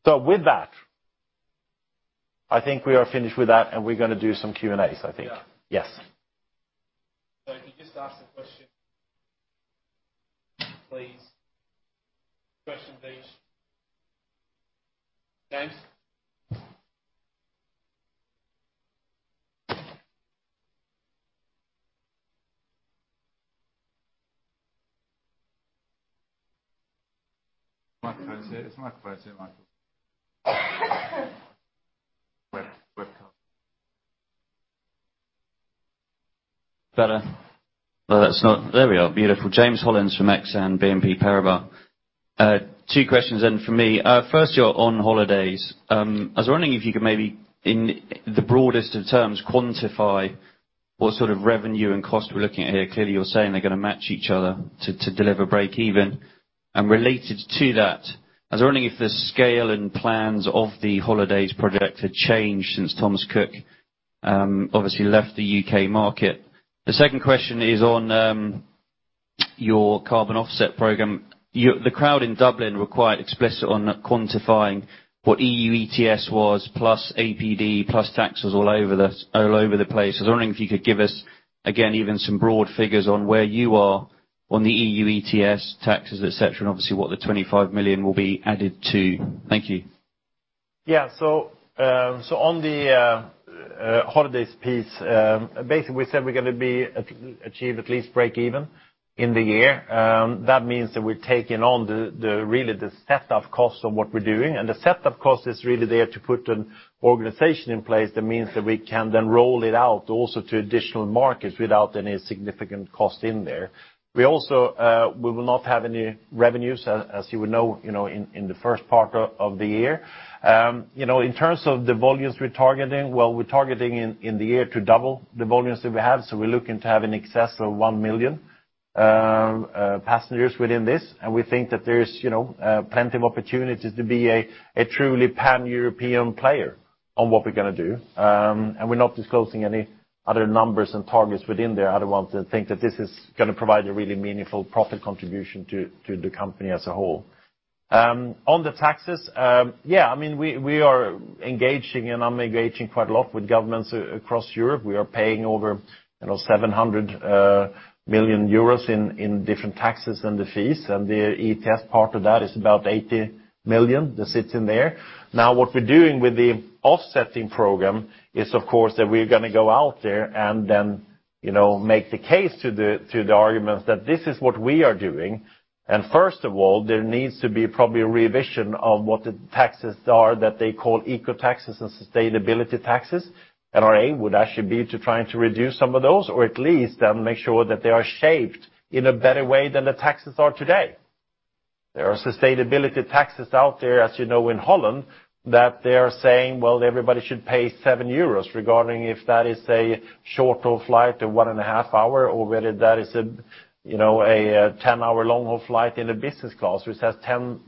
With that, I think we are finished with that, and we're going to do some Q&As, I think. Yeah. Yes. If you just ask the question, please. Question, please. James? Microphone's here, Michael. Webcast. Better? No, that's not There we are. Beautiful. James Hollins from Exane BNP Paribas. Two questions in for me. First, on holidays. I was wondering if you could maybe, in the broadest of terms, quantify what sort of revenue and cost we're looking at here. Clearly, you're saying they're going to match each other to deliver breakeven. Related to that, I was wondering if the scale and plans of the holidays project had changed since Thomas Cook obviously left the U.K. market. The second question is on your carbon offset program. The crowd in Dublin were quite explicit on quantifying what EU ETS was, plus APD, plus taxes all over the place. I was wondering if you could give us, again, even some broad figures on where you are on the EU ETS taxes, et cetera, and obviously what the 25 million will be added to. Thank you. Yeah. On the easyJet holidays piece, basically we said we're going to achieve at least break even in the year. That means that we're taking on really the setup costs of what we're doing, the setup cost is really there to put an organization in place that means that we can then roll it out also to additional markets without any significant cost in there. We will not have any revenues, as you would know, in the first part of the year. In terms of the volumes we're targeting, well, we're targeting in the year to double the volumes that we have. We're looking to have in excess of one million passengers within this, we think that there's plenty of opportunities to be a truly pan-European player on what we're going to do. We're not disclosing any other numbers and targets within there. I don't want to think that this is going to provide a really meaningful profit contribution to the company as a whole. On the taxes, we are engaging and I'm engaging quite a lot with governments across Europe. We are paying over 700 million euros in different taxes and the fees and the ETS part of that is about 80 million that sits in there. What we're doing with the offsetting program is, of course, that we're going to go out there and then make the case to the arguments that this is what we are doing. First of all, there needs to be probably a revision of what the taxes are that they call eco-taxes and sustainability taxes. Our aim would actually be to trying to reduce some of those or at least make sure that they are shaped in a better way than the taxes are today. There are sustainability taxes out there, as you know, in Holland that they are saying, well, everybody should pay 7 euros regarding if that is a short-haul flight of one and a half hour or whether that is a 10-hour long-haul flight in a business class, which has 10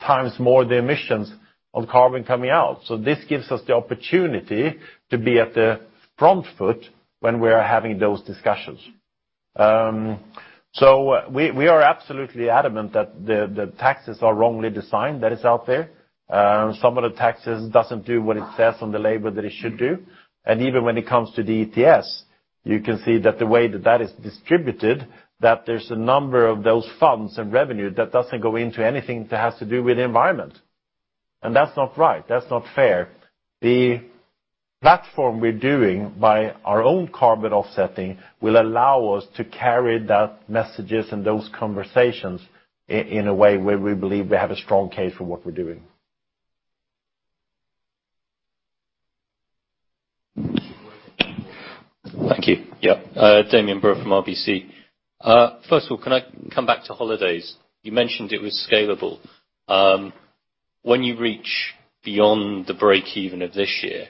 times more the emissions of carbon coming out. This gives us the opportunity to be at the front foot when we are having those discussions. We are absolutely adamant that the taxes are wrongly designed that is out there. Some of the taxes doesn't do what it says on the label that it should do. Even when it comes to the ETS, you can see that the way that that is distributed, there's a number of those funds and revenue that doesn't go into anything that has to do with the environment. That's not right. That's not fair. The platform we're doing by our own carbon offsetting will allow us to carry those messages and those conversations in a way where we believe we have a strong case for what we're doing. Thank you. Yeah. Damian Brewer from RBC. First of all, can I come back to Holidays? You mentioned it was scalable. When you reach beyond the break even of this year,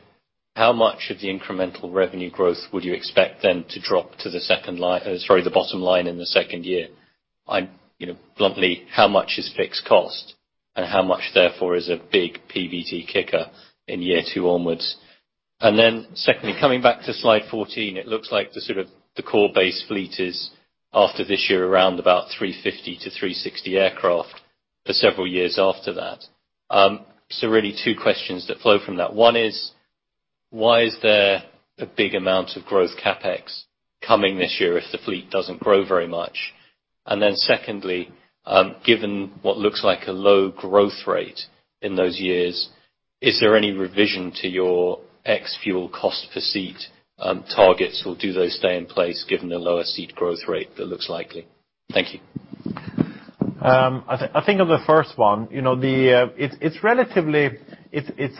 how much of the incremental revenue growth would you expect then to drop to the bottom line in the second year? Bluntly, how much is fixed cost and how much therefore is a big PBT kicker in year two onwards? Secondly, coming back to slide 14, it looks like the core base fleet is after this year around about 350-360 aircraft for several years after that. Really two questions that flow from that. One is, why is there a big amount of CapEx coming this year if the fleet doesn't grow very much? Secondly, given what looks like a low growth rate in those years, is there any revision to your ex-fuel cost per seat targets or do those stay in place given the lower seat growth rate that looks likely? Thank you. I think on the first one, it's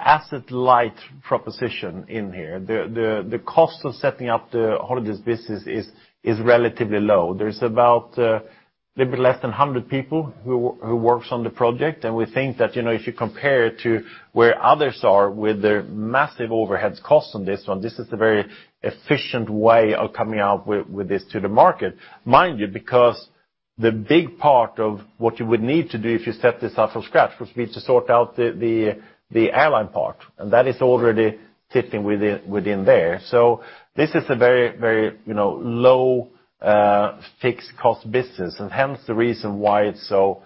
asset light proposition in here. The cost of setting up the easyJet holidays business is relatively low. There's about little bit less than 100 people who works on the project, and we think that if you compare it to where others are with their massive overhead costs on this one, this is a very efficient way of coming out with this to the market. Mind you, because the big part of what you would need to do if you set this up from scratch, which will be to sort out the airline part, and that is already sitting within there. This is a very low fixed cost business and hence the reason why it's so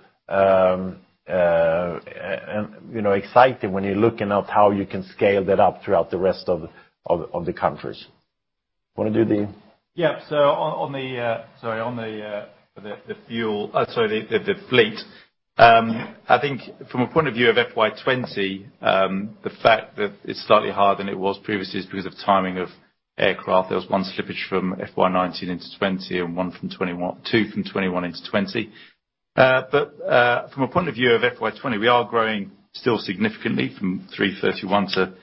exciting when you're looking at how you can scale that up throughout the rest of the countries. On the fleet, I think from a point of view of FY 2020, the fact that it's slightly higher than it was previously is because of timing of aircraft. There was one slippage from FY 2019 into 2020 and two from 2021 into 2020. From a point of view of FY 2020, we are growing still significantly from 331 to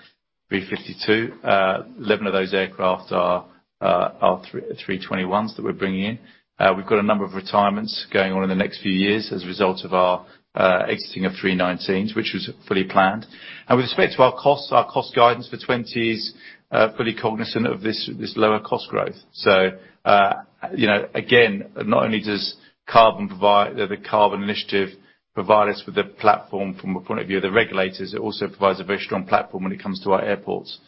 352. 11 of those aircraft are A321s that we're bringing in. We've got a number of retirements going on in the next few years as a result of our exiting of A319s, which was fully planned. With respect to our costs, our cost guidance for 2020 is fully cognizant of this lower cost growth. Again, not only does the carbon initiative provide us with a platform from a point of view of the regulators, it also provides a very strong platform when it comes to our airports.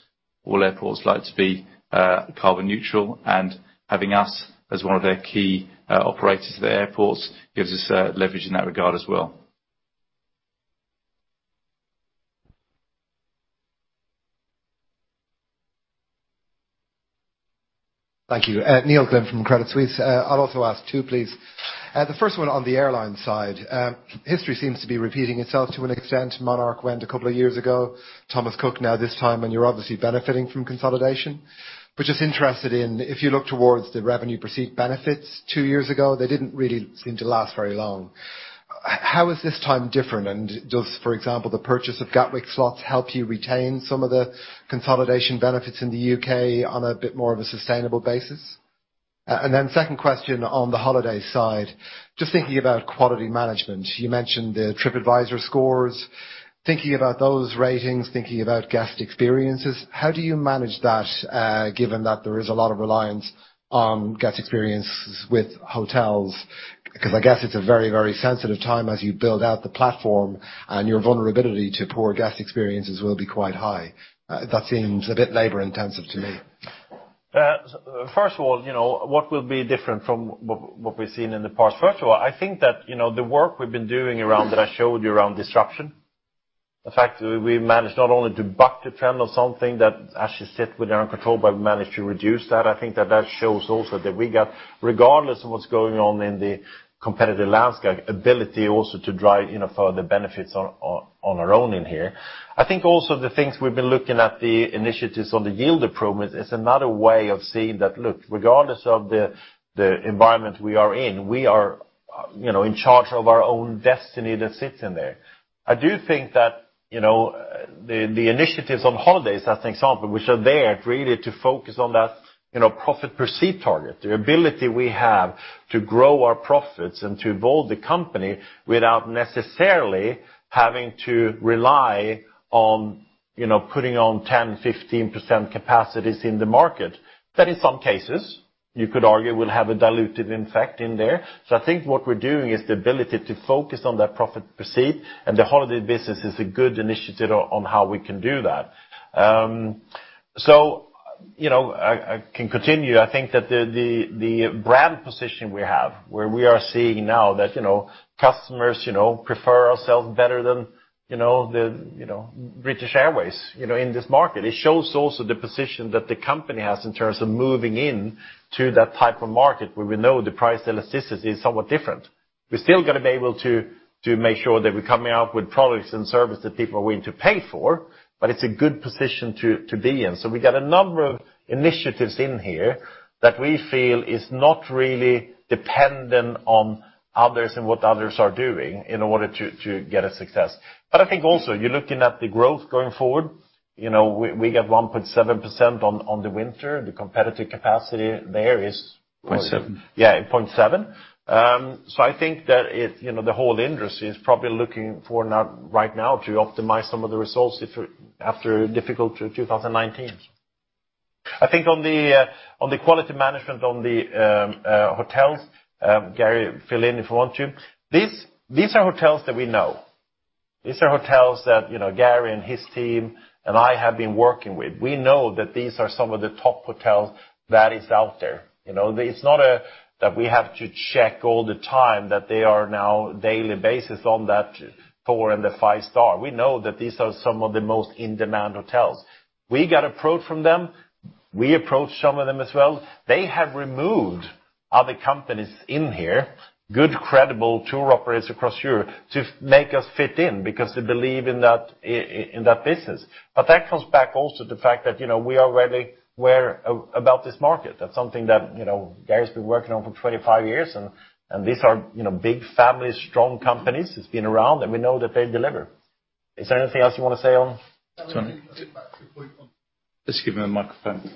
All airports like to be carbon neutral and having us as one of their key operators of the airports gives us leverage in that regard as well. Thank you. Neil Glynn from Credit Suisse. I'll also ask two, please. The first one on the airline side. History seems to be repeating itself to an extent. Monarch went a couple of years ago, Thomas Cook now this time, and you're obviously benefiting from consolidation. We're just interested in, if you look towards the revenue per seat benefits two years ago, they didn't really seem to last very long. How is this time different? Does, for example, the purchase of Gatwick slots help you retain some of the consolidation benefits in the U.K. on a bit more of a sustainable basis? Then second question on the holiday side, just thinking about quality management, you mentioned the Tripadvisor scores. Thinking about those ratings, thinking about guest experiences, how do you manage that, given that there is a lot of reliance on guest experiences with hotels? I guess it's a very sensitive time as you build out the platform, and your vulnerability to poor guest experiences will be quite high. That seems a bit labor-intensive to me. First of all, what will be different from what we've seen in the past? First of all, I think that, the work we've been doing that I showed you around disruption. The fact we've managed not only to buck the trend of something that actually sit within our control, but managed to reduce that. I think that shows also that we got, regardless of what's going on in the competitive landscape, ability also to drive further benefits on our own in here. I think also the things we've been looking at, the initiatives on the yield improvement, is another way of saying that, look, regardless of the environment we are in, we are in charge of our own destiny that sits in there. I do think that the initiatives on holidays, as an example, which are there really to focus on that profit per seat target. The ability we have to grow our profits and to evolve the company without necessarily having to rely on putting on 10%, 15% capacities in the market. That, in some cases, you could argue, will have a diluted effect in there. I think what we're doing is the ability to focus on that profit per seat and the easyJet holidays is a good initiative on how we can do that. I can continue. I think that the brand position we have, where we are seeing now that customers prefer ourselves better than British Airways in this market. It shows also the position that the company has in terms of moving in to that type of market, where we know the price elasticity is somewhat different. We still got to be able to make sure that we're coming up with products and service that people are willing to pay for, but it's a good position to be in. We got a number of initiatives in here that we feel is not really dependent on others and what others are doing in order to get a success. I think also, you're looking at the growth going forward. We got 1.7% on the winter. The competitive capacity there is- 0.7. Yeah, 0.7. I think that the whole industry is probably looking for right now to optimize some of the results after a difficult 2019. I think on the quality management on the hotels, Garry, fill in if you want to. These are hotels that we know. These are hotels that Garry and his team and I have been working with. We know that these are some of the top hotels that is out there. It's not that we have to check all the time that they are now daily basis on that four and the five star. We know that these are some of the most in-demand hotels. We got approached from them. We approached some of them as well. They have removed other companies in here, good, credible tour operators across Europe, to make us fit in because they believe in that business. That comes back also to the fact that, we already were about this market. That's something that Garry's been working on for 25 years, and these are big families, strong companies that's been around, and we know that they deliver. Is there anything else you want to say on? Sorry. Just back to the point on- Just give me the microphone.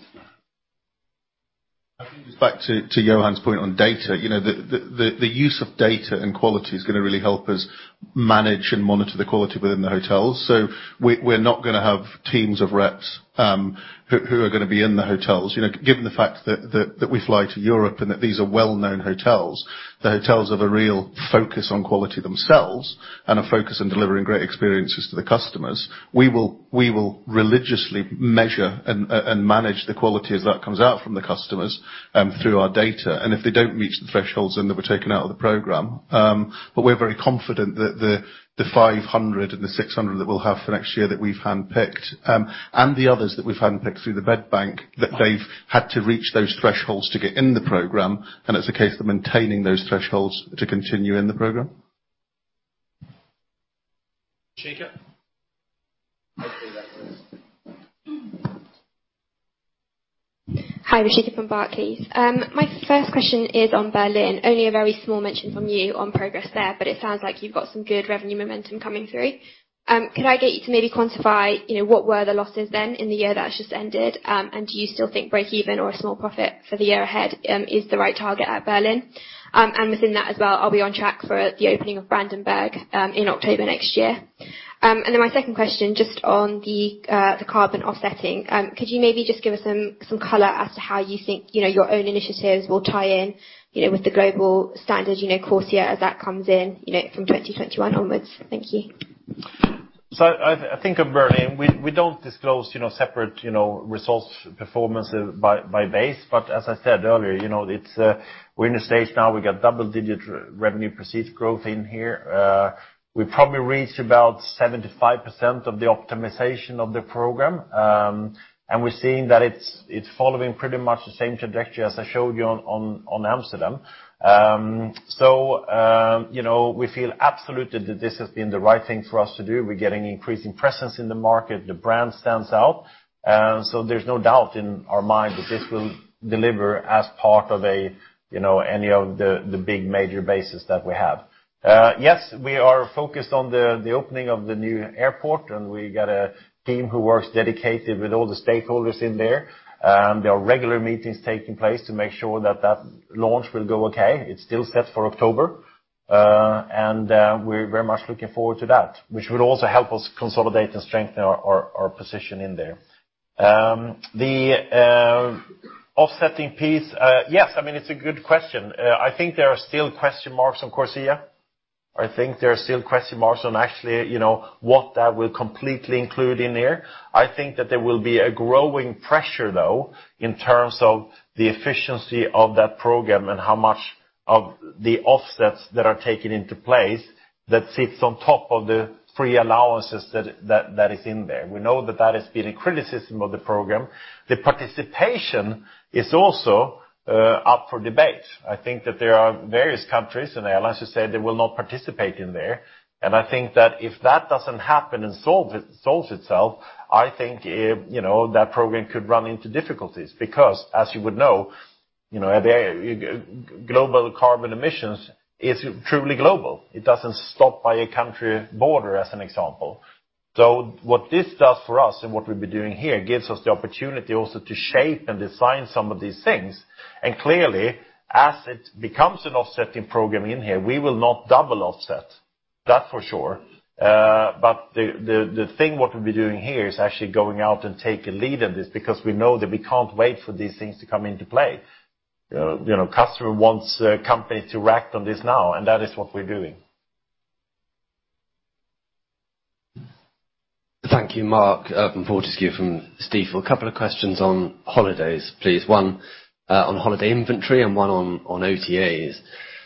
I think it's back to Johan's point on data. The use of data and quality is going to really help us manage and monitor the quality within the hotels. We're not going to have teams of reps who are going to be in the hotels. Given the fact that we fly to Europe and that these are well-known hotels. The hotels have a real focus on quality themselves and a focus on delivering great experiences to the customers. We will religiously measure and manage the quality as that comes out from the customers through our data, and if they don't meet the thresholds, then they were taken out of the program. We're very confident that the 500 and the 600 that we'll have for next year that we've handpicked, and the others that we've handpicked through the bed bank, that they've had to reach those thresholds to get in the program, and it's a case of maintaining those thresholds to continue in the program. Rishika? Hi. Rashida from Barclays. My first question is on Berlin. Only a very small mention from you on progress there, but it sounds like you've got some good revenue momentum coming through. Could I get you to maybe quantify what were the losses then in the year that has just ended? Do you still think breakeven or a small profit for the year ahead is the right target at Berlin? Within that as well, are we on track for the opening of Brandenburg in October next year? Then my second question, just on the carbon offsetting. Could you maybe just give us some color as to how you think your own initiatives will tie in with the global standard, CORSIA as that comes in from 2021 onwards? Thank you. I think of Berlin, we don't disclose separate results performance by base. As I said earlier, we're in a stage now we've got double-digit revenue proceed growth in here. We've probably reached about 75% of the optimization of the program. We're seeing that it's following pretty much the same trajectory as I showed you on Amsterdam. We feel absolutely that this has been the right thing for us to do. We're getting increasing presence in the market. The brand stands out. There's no doubt in our mind that this will deliver as part of any of the big major bases that we have. Yes, we are focused on the opening of the new airport, and we've got a team who works dedicated with all the stakeholders in there. There are regular meetings taking place to make sure that launch will go okay. It's still set for October. We're very much looking forward to that, which would also help us consolidate and strengthen our position in there. The offsetting piece, yes, it's a good question. I think there are still question marks on CORSIA. I think there are still question marks on actually what that will completely include in there. I think that there will be a growing pressure, though, in terms of the efficiency of that program and how much of the offsets that are taken into place that sits on top of the free allowances that is in there. We know that has been a criticism of the program. The participation is also up for debate. I think that there are various countries and airlines who said they will not participate in there. I think that if that doesn't happen and solves itself, I think that program could run into difficulties because, as you would know, global carbon emissions is truly global. It doesn't stop by a country border, as an example. What this does for us and what we've been doing here gives us the opportunity also to shape and design some of these things. Clearly, as it becomes an offsetting program in here, we will not double offset. That's for sure. The thing what we've been doing here is actually going out and take a lead in this because we know that we can't wait for these things to come into play. Customer wants companies to act on this now, and that is what we're doing. Thank you, Mark. Mark Irvine-Fortescue from Stifel. A couple of questions on holidays, please. One on holiday inventory and one on OTAs.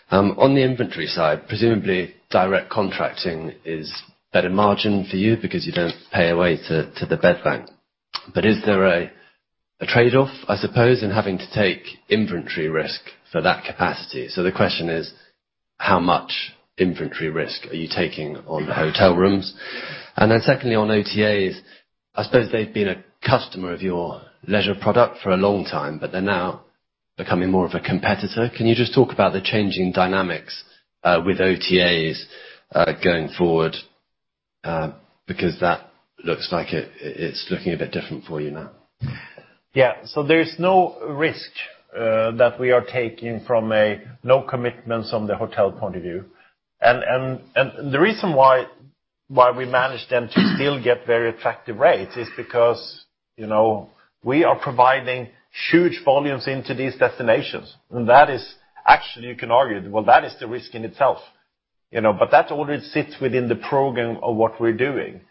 On the inventory side, presumably direct contracting is better margin for you because you don't pay away to the bed bank. Is there a trade-off, I suppose, in having to take inventory risk for that capacity? The question is, how much inventory risk are you taking on the hotel rooms? Secondly, on OTAs, I suppose they've been a customer of your leisure product for a long time, but they're now becoming more of a competitor. Can you just talk about the changing dynamics with OTAs going forward? That looks like it's looking a bit different for you now. There is no risk that we are taking from a no commitments from the hotel point of view. The reason why we managed them to still get very attractive rates is because we are providing huge volumes into these destinations. Actually, you can argue, well, that is the risk in itself. That already sits within the program of what we're doing.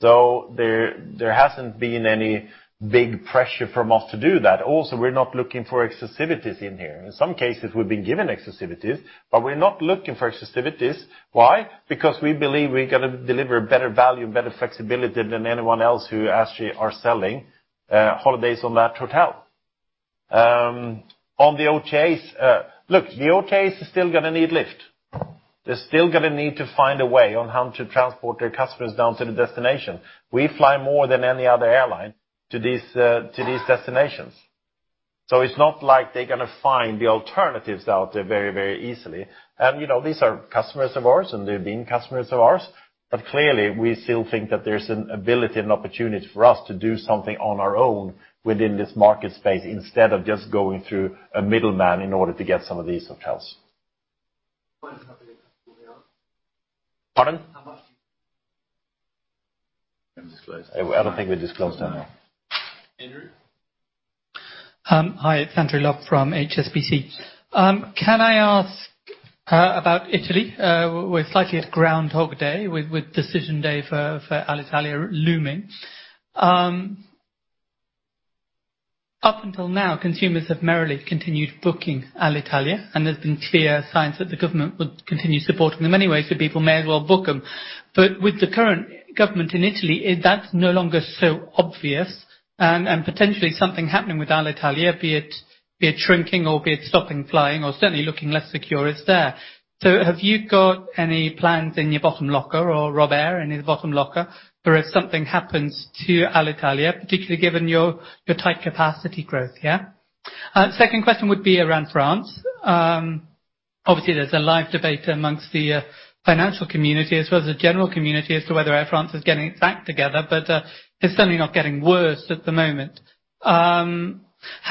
There hasn't been any big pressure from us to do that. Also, we're not looking for exclusivities in here. In some cases, we've been given exclusivities, but we're not looking for exclusivities. Why? Because we believe we're going to deliver better value and better flexibility than anyone else who actually are selling holidays on that hotel. On the OTAs, look, the OTAs are still going to need lift. They're still going to need to find a way on how to transport their customers down to the destination. We fly more than any other airline to these destinations. It's not like they're going to find the alternatives out there very, very easily. These are customers of ours, and they've been customers of ours. Clearly, we still think that there's an ability and opportunity for us to do something on our own within this market space instead of just going through a middleman in order to get some of these hotels. Pardon? How much? Can disclose. I don't think we disclosed that, no. Andrew? Hi, it's Andrew Lobbenberg from HSBC. Can I ask about Italy? We're slightly at Groundhog Day with decision day for Alitalia looming. Up until now, consumers have merely continued booking Alitalia, and there's been clear signs that the government would continue supporting them anyway, so people may as well book them. With the current government in Italy, that's no longer so obvious and potentially something happening with Alitalia, be it shrinking or be it stopping flying or certainly looking less secure, is there. Have you got any plans in your bottom locker or Robert in your bottom locker for if something happens to Alitalia, particularly given your tight capacity growth here? Second question would be around France. Obviously, there's a live debate amongst the financial community as well as the general community as to whether Air France is getting its act together. It's certainly not getting worse at the moment. How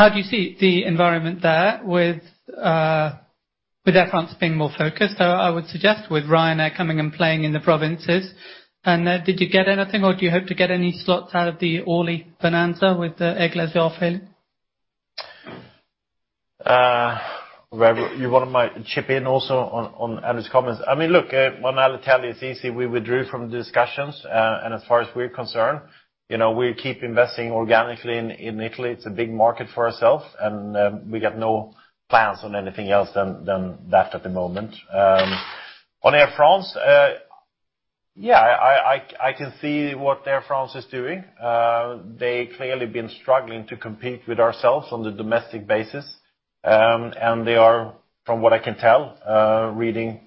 do you see the environment there with Air France being more focused? I would suggest with Ryanair coming and playing in the provinces. Did you get anything or do you hope to get any slots out of the Orly bonanza with the Élysée field? Robert, you want to chip in also on Andrew's comments? Look, what I'll tell you, it's easy. We withdrew from the discussions. As far as we're concerned, we keep investing organically in Italy. It's a big market for ourselves. We have no plans on anything else than that at the moment. On Air France, yeah, I can see what Air France is doing. They clearly been struggling to compete with ourselves on the domestic basis. They are, from what I can tell, reading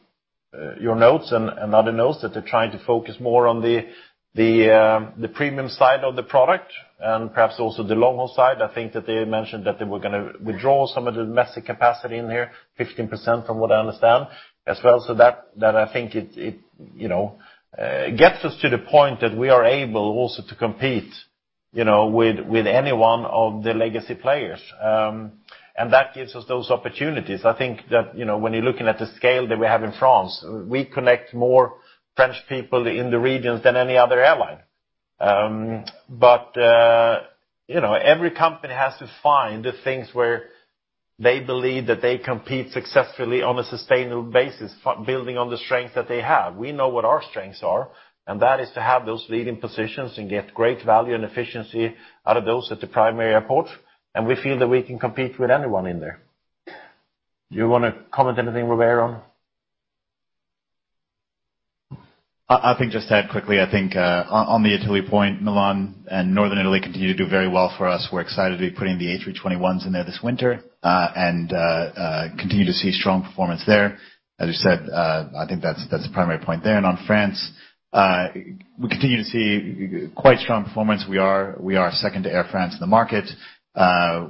your notes and other notes, that they're trying to focus more on the premium side of the product and perhaps also the long-haul side. I think that they mentioned that they were going to withdraw some of the domestic capacity in there, 15%, from what I understand as well. That, I think, gets us to the point that we are able also to compete with any one of the legacy players. That gives us those opportunities. I think that when you're looking at the scale that we have in France, we connect more French people in the regions than any other airline. Every company has to find the things where they believe that they compete successfully on a sustainable basis, building on the strength that they have. We know what our strengths are, and that is to have those leading positions and get great value and efficiency out of those at the primary airport, and we feel that we can compete with anyone in there. You want to comment anything, Robert, on? I think just to add quickly, I think on the Italy point, Milan and Northern Italy continue to do very well for us. We're excited to be putting the A321s in there this winter, and continue to see strong performance there. As you said, I think that's the primary point there. On France, we continue to see quite strong performance. We are second to Air France in the market.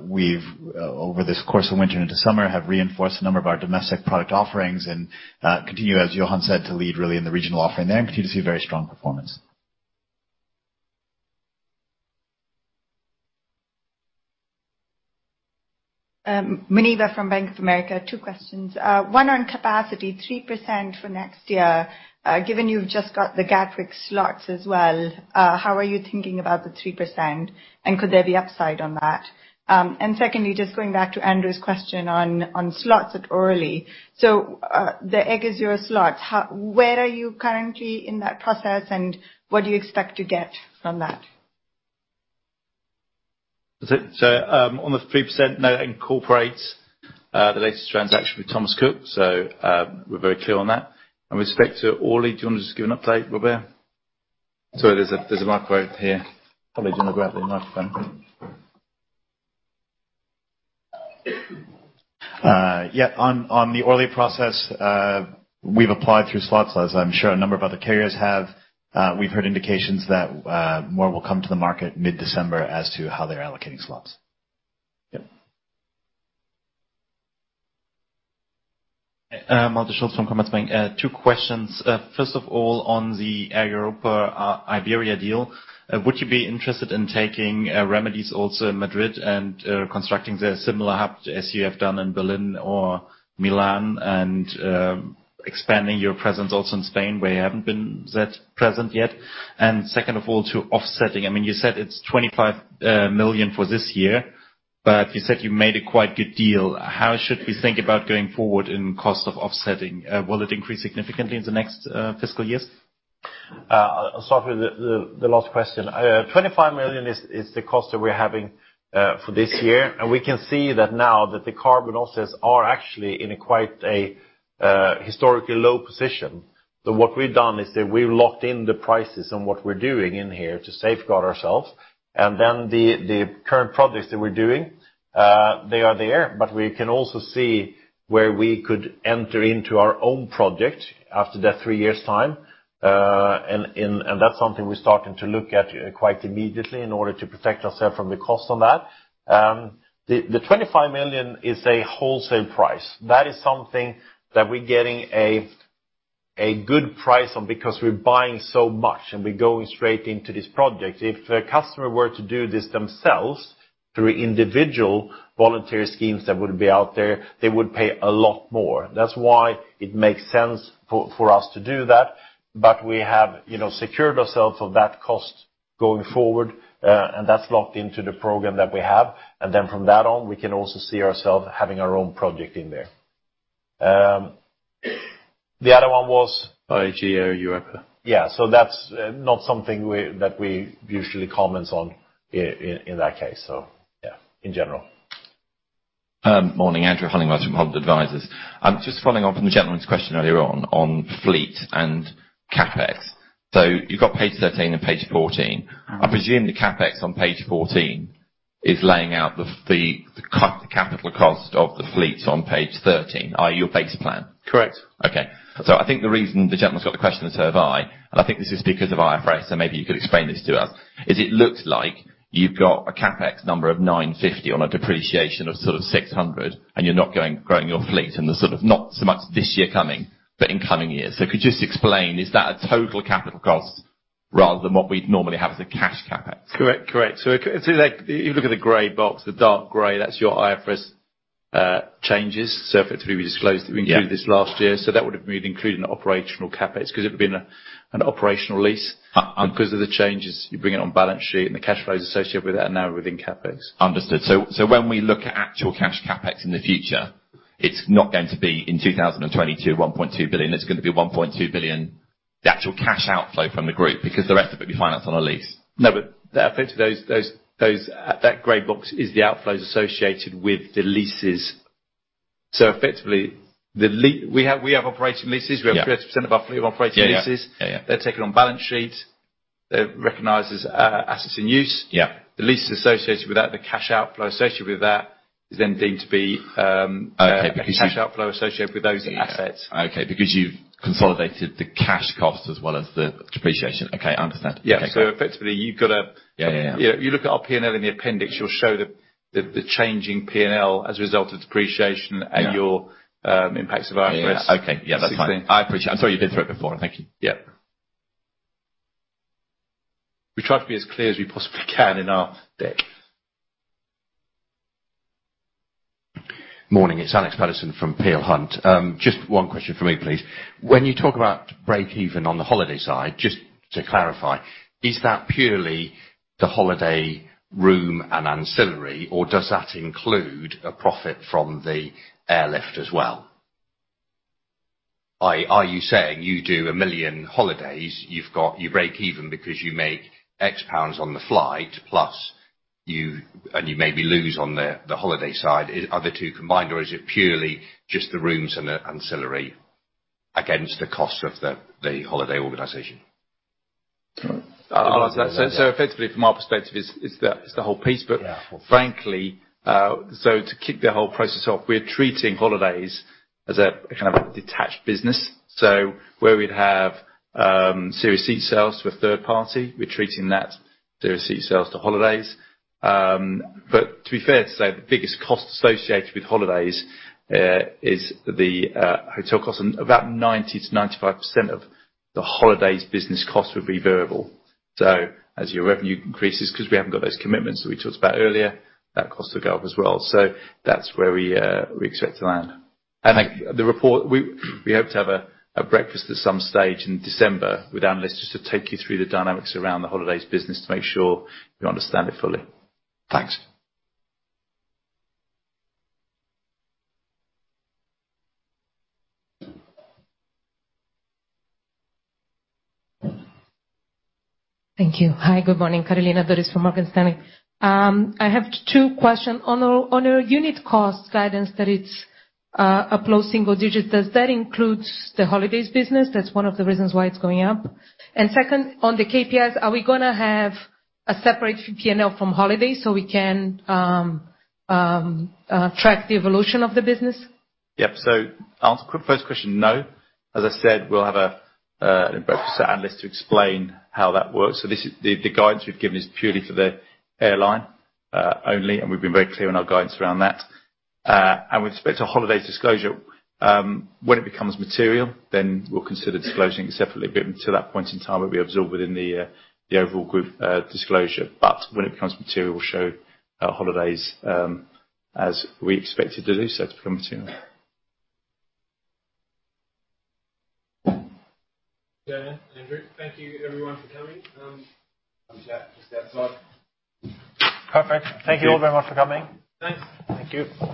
We've, over this course of winter into summer, have reinforced a number of our domestic product offerings and continue, as Johan said, to lead really in the regional offering there and continue to see very strong performance. Muneeba from Bank of America. Two questions. One on capacity, 3% for next year. Given you've just got the Gatwick slots as well, how are you thinking about the 3% and could there be upside on that? Secondly, just going back to Andrew's question on slots at Orly. The Air Europa slots, where are you currently in that process and what do you expect to get from that? On the 3%, no, it incorporates the latest transaction with Thomas Cook, so we're very clear on that. With respect to Orly, do you want to just give an update, Robert? Sorry, there's a mic right here. Probably didn't grab the microphone. Yeah. On the Orly process, we've applied through slots, as I'm sure a number of other carriers have. We've heard indications that more will come to the market mid-December as to how they're allocating slots. Yeah. Malte Schulz from Commerzbank. Two questions. First of all, on the Air Europa, Iberia deal, would you be interested in taking remedies also in Madrid and constructing there a similar hub as you have done in Berlin or Milan and expanding your presence also in Spain where you haven't been that present yet? Second of all, to offsetting, you said it's 25 million for this year, but you said you made a quite good deal. How should we think about going forward in cost of offsetting? Will it increase significantly in the next fiscal years? I'll start with the last question. 25 million is the cost that we're having for this year. We can see that now that the carbon offsets are actually in a quite a historically low position. What we've done is that we've locked in the prices on what we're doing in here to safeguard ourselves. The current projects that we're doing, they are there. We can also see where we could enter into our own project after the three years' time. That's something we're starting to look at quite immediately in order to protect ourselves from the cost on that. The 25 million is a wholesale price. That is something that we're getting a good price on because we're buying so much and we're going straight into this project. If a customer were to do this themselves through individual voluntary schemes that would be out there, they would pay a lot more. That's why it makes sense for us to do that. We have secured ourselves of that cost going forward, and that's locked into the program that we have. From that on, we can also see ourselves having our own project in there. The other one was? Air Europa. Yeah. That's not something that we usually comment on in that case, so yeah. In general. Morning, Andrew Huntinghurst from Hunt Advisors. Just following on from the gentleman's question earlier on fleet and CapEx. You've got page 13 and page 14. I presume the CapEx on page 14 is laying out the capital cost of the fleet on page 13, i.e., your base plan? Correct. Okay. I think the reason the gentleman's got the question, and so have I, and I think this is because of IFRS, maybe you could explain this to us, is it looks like you've got a CapEx number of 950 on a depreciation of sort of 600, and you're not growing your fleet, and there's sort of not so much this year coming, but in coming years. Could you just explain, is that a total capital cost rather than what we'd normally have as a cash CapEx? Correct. If you look at the gray box, the dark gray, that is your IFRS changes. Effectively, we disclosed that we included this last year, so that would have been included in the operational CapEx because it would have been an operational lease. Because of the changes, you bring it on balance sheet, and the cash flows associated with that are now within CapEx. Understood. When we look at actual cash CapEx in the future, it's not going to be in 2022, 1.2 billion. It's going to be 1.2 billion, the actual cash outflow from the group, because the rest of it we finance on a lease. Effectively, that gray box is the outflows associated with the leases. Effectively, we have operating leases. Yeah. We have 30% of operating leases. Yeah. They're taken on balance sheet. They're recognized as assets in use. Yeah. The leases associated with that, the cash outflow associated with that, is then deemed. Okay, because. The cash outflow associated with those assets. Okay. Because you consolidated the cash costs as well as the depreciation. Okay, understood. Yeah. Okay. Effectively, you look at our P&L in the appendix, you'll show the changing P&L as a result of depreciation- Yeah Your impacts of IFRS. Okay. Yeah, that's fine. I appreciate. I'm sorry, you've been through it before. Thank you. Yeah. We try to be as clear as we possibly can in our deck. Morning, it's Alex Paterson from Peel Hunt. Just one question from me, please. When you talk about break even on the holiday side, just to clarify, is that purely the holiday room and ancillary, or does that include a profit from the airlift as well? Are you saying you do 1 million holidays, you break even because you make GBP X on the flight, and you maybe lose on the holiday side? Are the two combined, or is it purely just the rooms and the ancillary against the cost of the holiday organization? I'll answer that. Effectively, from our perspective, it's the whole piece. Yeah. Frankly, so to kick the whole process off, we're treating Holidays as a kind of detached business. Where we'd have series seat sales to a third party, we're treating that series seat sales to Holidays. To be fair, to say the biggest cost associated with Holidays is the hotel cost. About 90%-95% of the Holidays business cost would be variable. As your revenue increases, because we haven't got those commitments that we talked about earlier, that cost will go up as well. That's where we expect to land. Thank you. We hope to have a breakfast at some stage in December with analysts just to take you through the dynamics around the holidays business to make sure you understand it fully. Thanks. Thank you. Hi, good morning. Carolina Dores from Morgan Stanley. I have two questions. On your unit cost guidance that it's up low single digit, does that include the holidays business? That's one of the reasons why it's going up. Second, on the KPIs, are we going to have a separate P&L from holidays so we can track the evolution of the business? Yep. I'll answer quick first question, no. As I said, we'll have a breakfast analyst to explain how that works. The guidance we've given is purely for the airline, only, and we've been very clear on our guidance around that. We'd expect a holiday disclosure. When it becomes material, we'll consider disclosing it separately. Until that point in time, it'll be absorbed within the overall group disclosure. When it becomes material, we'll show our holidays, as we expected to do so to become material. Yeah, Andrew. Thank you everyone for coming. Come chat, just outside. Perfect. Thank you everyone for coming. Thanks. Thank you.